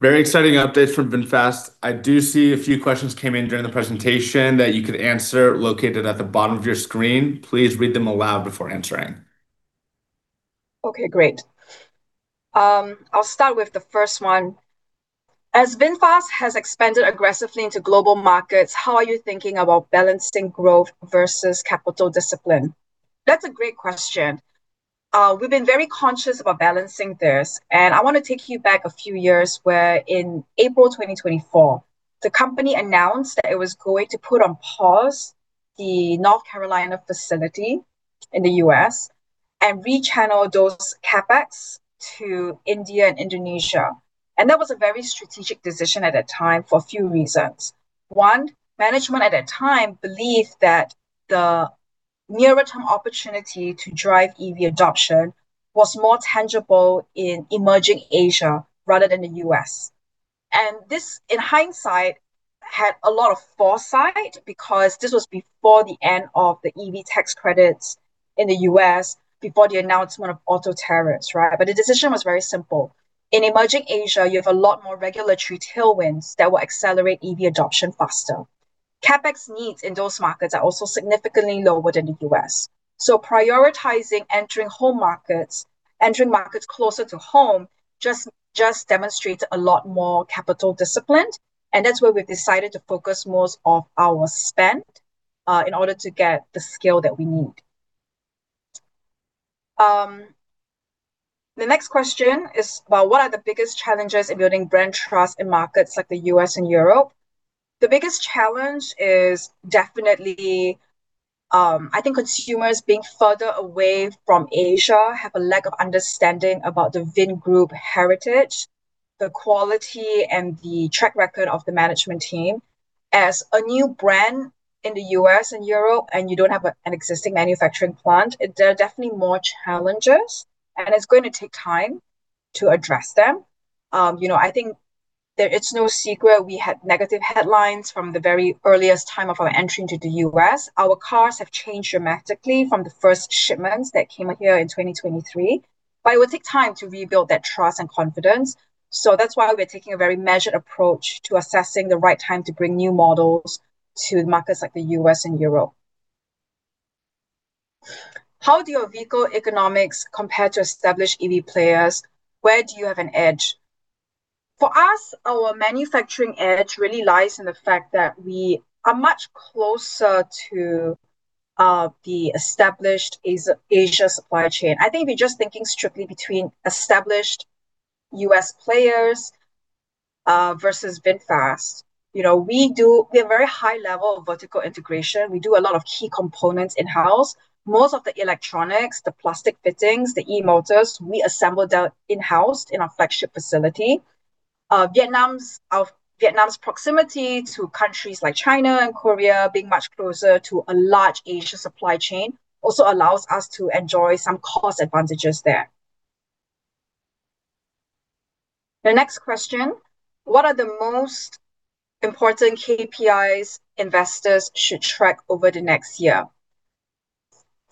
Very exciting updates from VinFast. I do see a few questions came in during the presentation that you could answer located at the bottom of your screen. Please read them aloud before answering. Okay, great. I'll start with the first one. As VinFast has expanded aggressively into global markets, how are you thinking about balancing growth versus capital discipline? That's a great question. We've been very conscious about balancing this, and I want to take you back a few years where in April 2024, the company announced that it was going to put on pause the North Carolina facility in the U.S. and rechannel those CapEx to India and Indonesia. That was a very strategic decision at that time for a few reasons. One, management at that time believed that the nearer-term opportunity to drive EV adoption was more tangible in emerging Asia rather than the U.S. This, in hindsight, had a lot of foresight because this was before the end of the EV tax credits in the U.S., before the announcement of auto tariffs, right? The decision was very simple. In emerging Asia, you have a lot more regulatory tailwinds that will accelerate EV adoption faster. CapEx needs in those markets are also significantly lower than the U.S., so prioritizing entering markets closer to home just demonstrates a lot more capital discipline, and that's where we've decided to focus most of our spend, in order to get the scale that we need. The next question is about what are the biggest challenges in building brand trust in markets like the U.S. and Europe? The biggest challenge is definitely, I think consumers being further away from Asia have a lack of understanding about the Vingroup heritage, the quality, and the track record of the management team. As a new brand in the U.S. and Europe, and you don't have an existing manufacturing plant, there are definitely more challenges, and it's going to take time to address them. I think that it's no secret we had negative headlines from the very earliest time of our entry into the U.S. Our cars have changed dramatically from the first shipments that came here in 2023, but it will take time to rebuild that trust and confidence. That's why we're taking a very measured approach to assessing the right time to bring new models to markets like the U.S. and Europe. How do your vehicle economics compare to established EV players? Where do you have an edge? For us, our manufacturing edge really lies in the fact that we are much closer to the established Asian supply chain. I think if you're just thinking strictly between established U.S. players versus VinFast, we have a very high level of vertical integration. We do a lot of key components in-house. Most of the electronics, the plastic fittings, the e-motors, we assemble that in-house in our flagship facility. Vietnam's proximity to countries like China and Korea, being much closer to a large Asian supply chain, also allows us to enjoy some cost advantages there. The next question. What are the most important KPIs investors should track over the next year?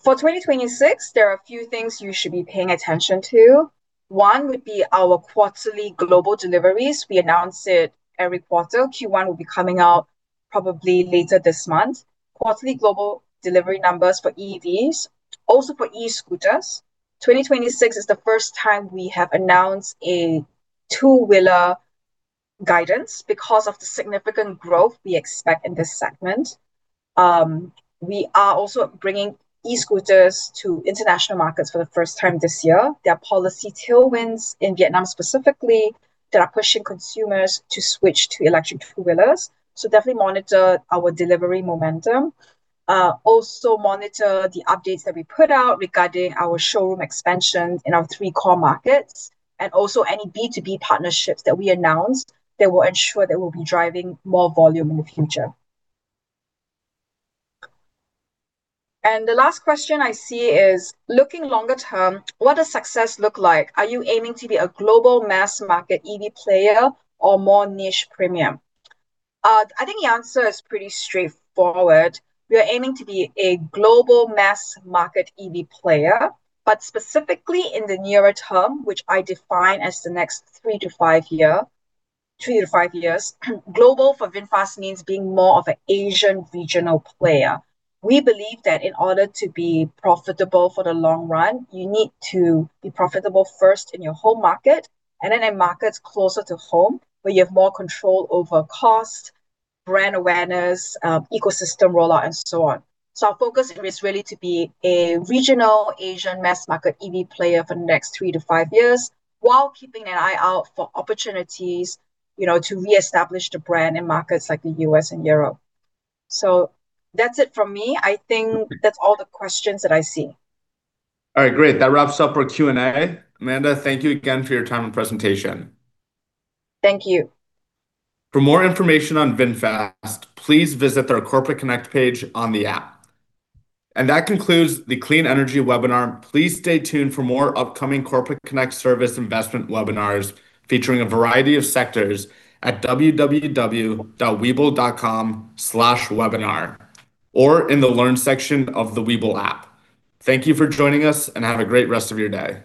For 2026, there are a few things you should be paying attention to. One would be our quarterly global deliveries. We announce it every quarter. Q1 will be coming out probably later this month. Quarterly global delivery numbers for EVs. Also for e-scooters. 2026 is the first time we have announced a two-wheeler guidance because of the significant growth we expect in this segment. We are also bringing e-scooters to international markets for the first time this year. There are policy tailwinds in Vietnam specifically that are pushing consumers to switch to electric two-wheelers. Definitely monitor our delivery momentum. Also monitor the updates that we put out regarding our showroom expansion in our three core markets and also any B2B partnerships that we announce that will ensure that we'll be driving more volume in the future. The last question I see is, looking longer term, what does success look like? Are you aiming to be a global mass market EV player or more niche premium? I think the answer is pretty straightforward. We are aiming to be a global mass market EV player, but specifically in the nearer term, which I define as the next 3-5 years, global for VinFast means being more of an Asian regional player. We believe that in order to be profitable for the long run, you need to be profitable first in your home market and then in markets closer to home, where you have more control over cost, brand awareness, ecosystem rollout, and so on. Our focus is really to be a regional Asian mass market EV player for the next 3-5 years while keeping an eye out for opportunities to reestablish the brand in markets like the U.S. and Europe. That's it from me. I think that's all the questions that I see. All right, great. That wraps up our Q&A. Amandae, thank you again for your time and presentation. Thank you. For more information on VinFast, please visit their Corporate Connect page on the app. That concludes the Clean Energy webinar. Please stay tuned for more upcoming Corporate Connect Service investment webinars featuring a variety of sectors at www.webull.com/webinar or in the Learn section of the Webull app. Thank you for joining us, and have a great rest of your day.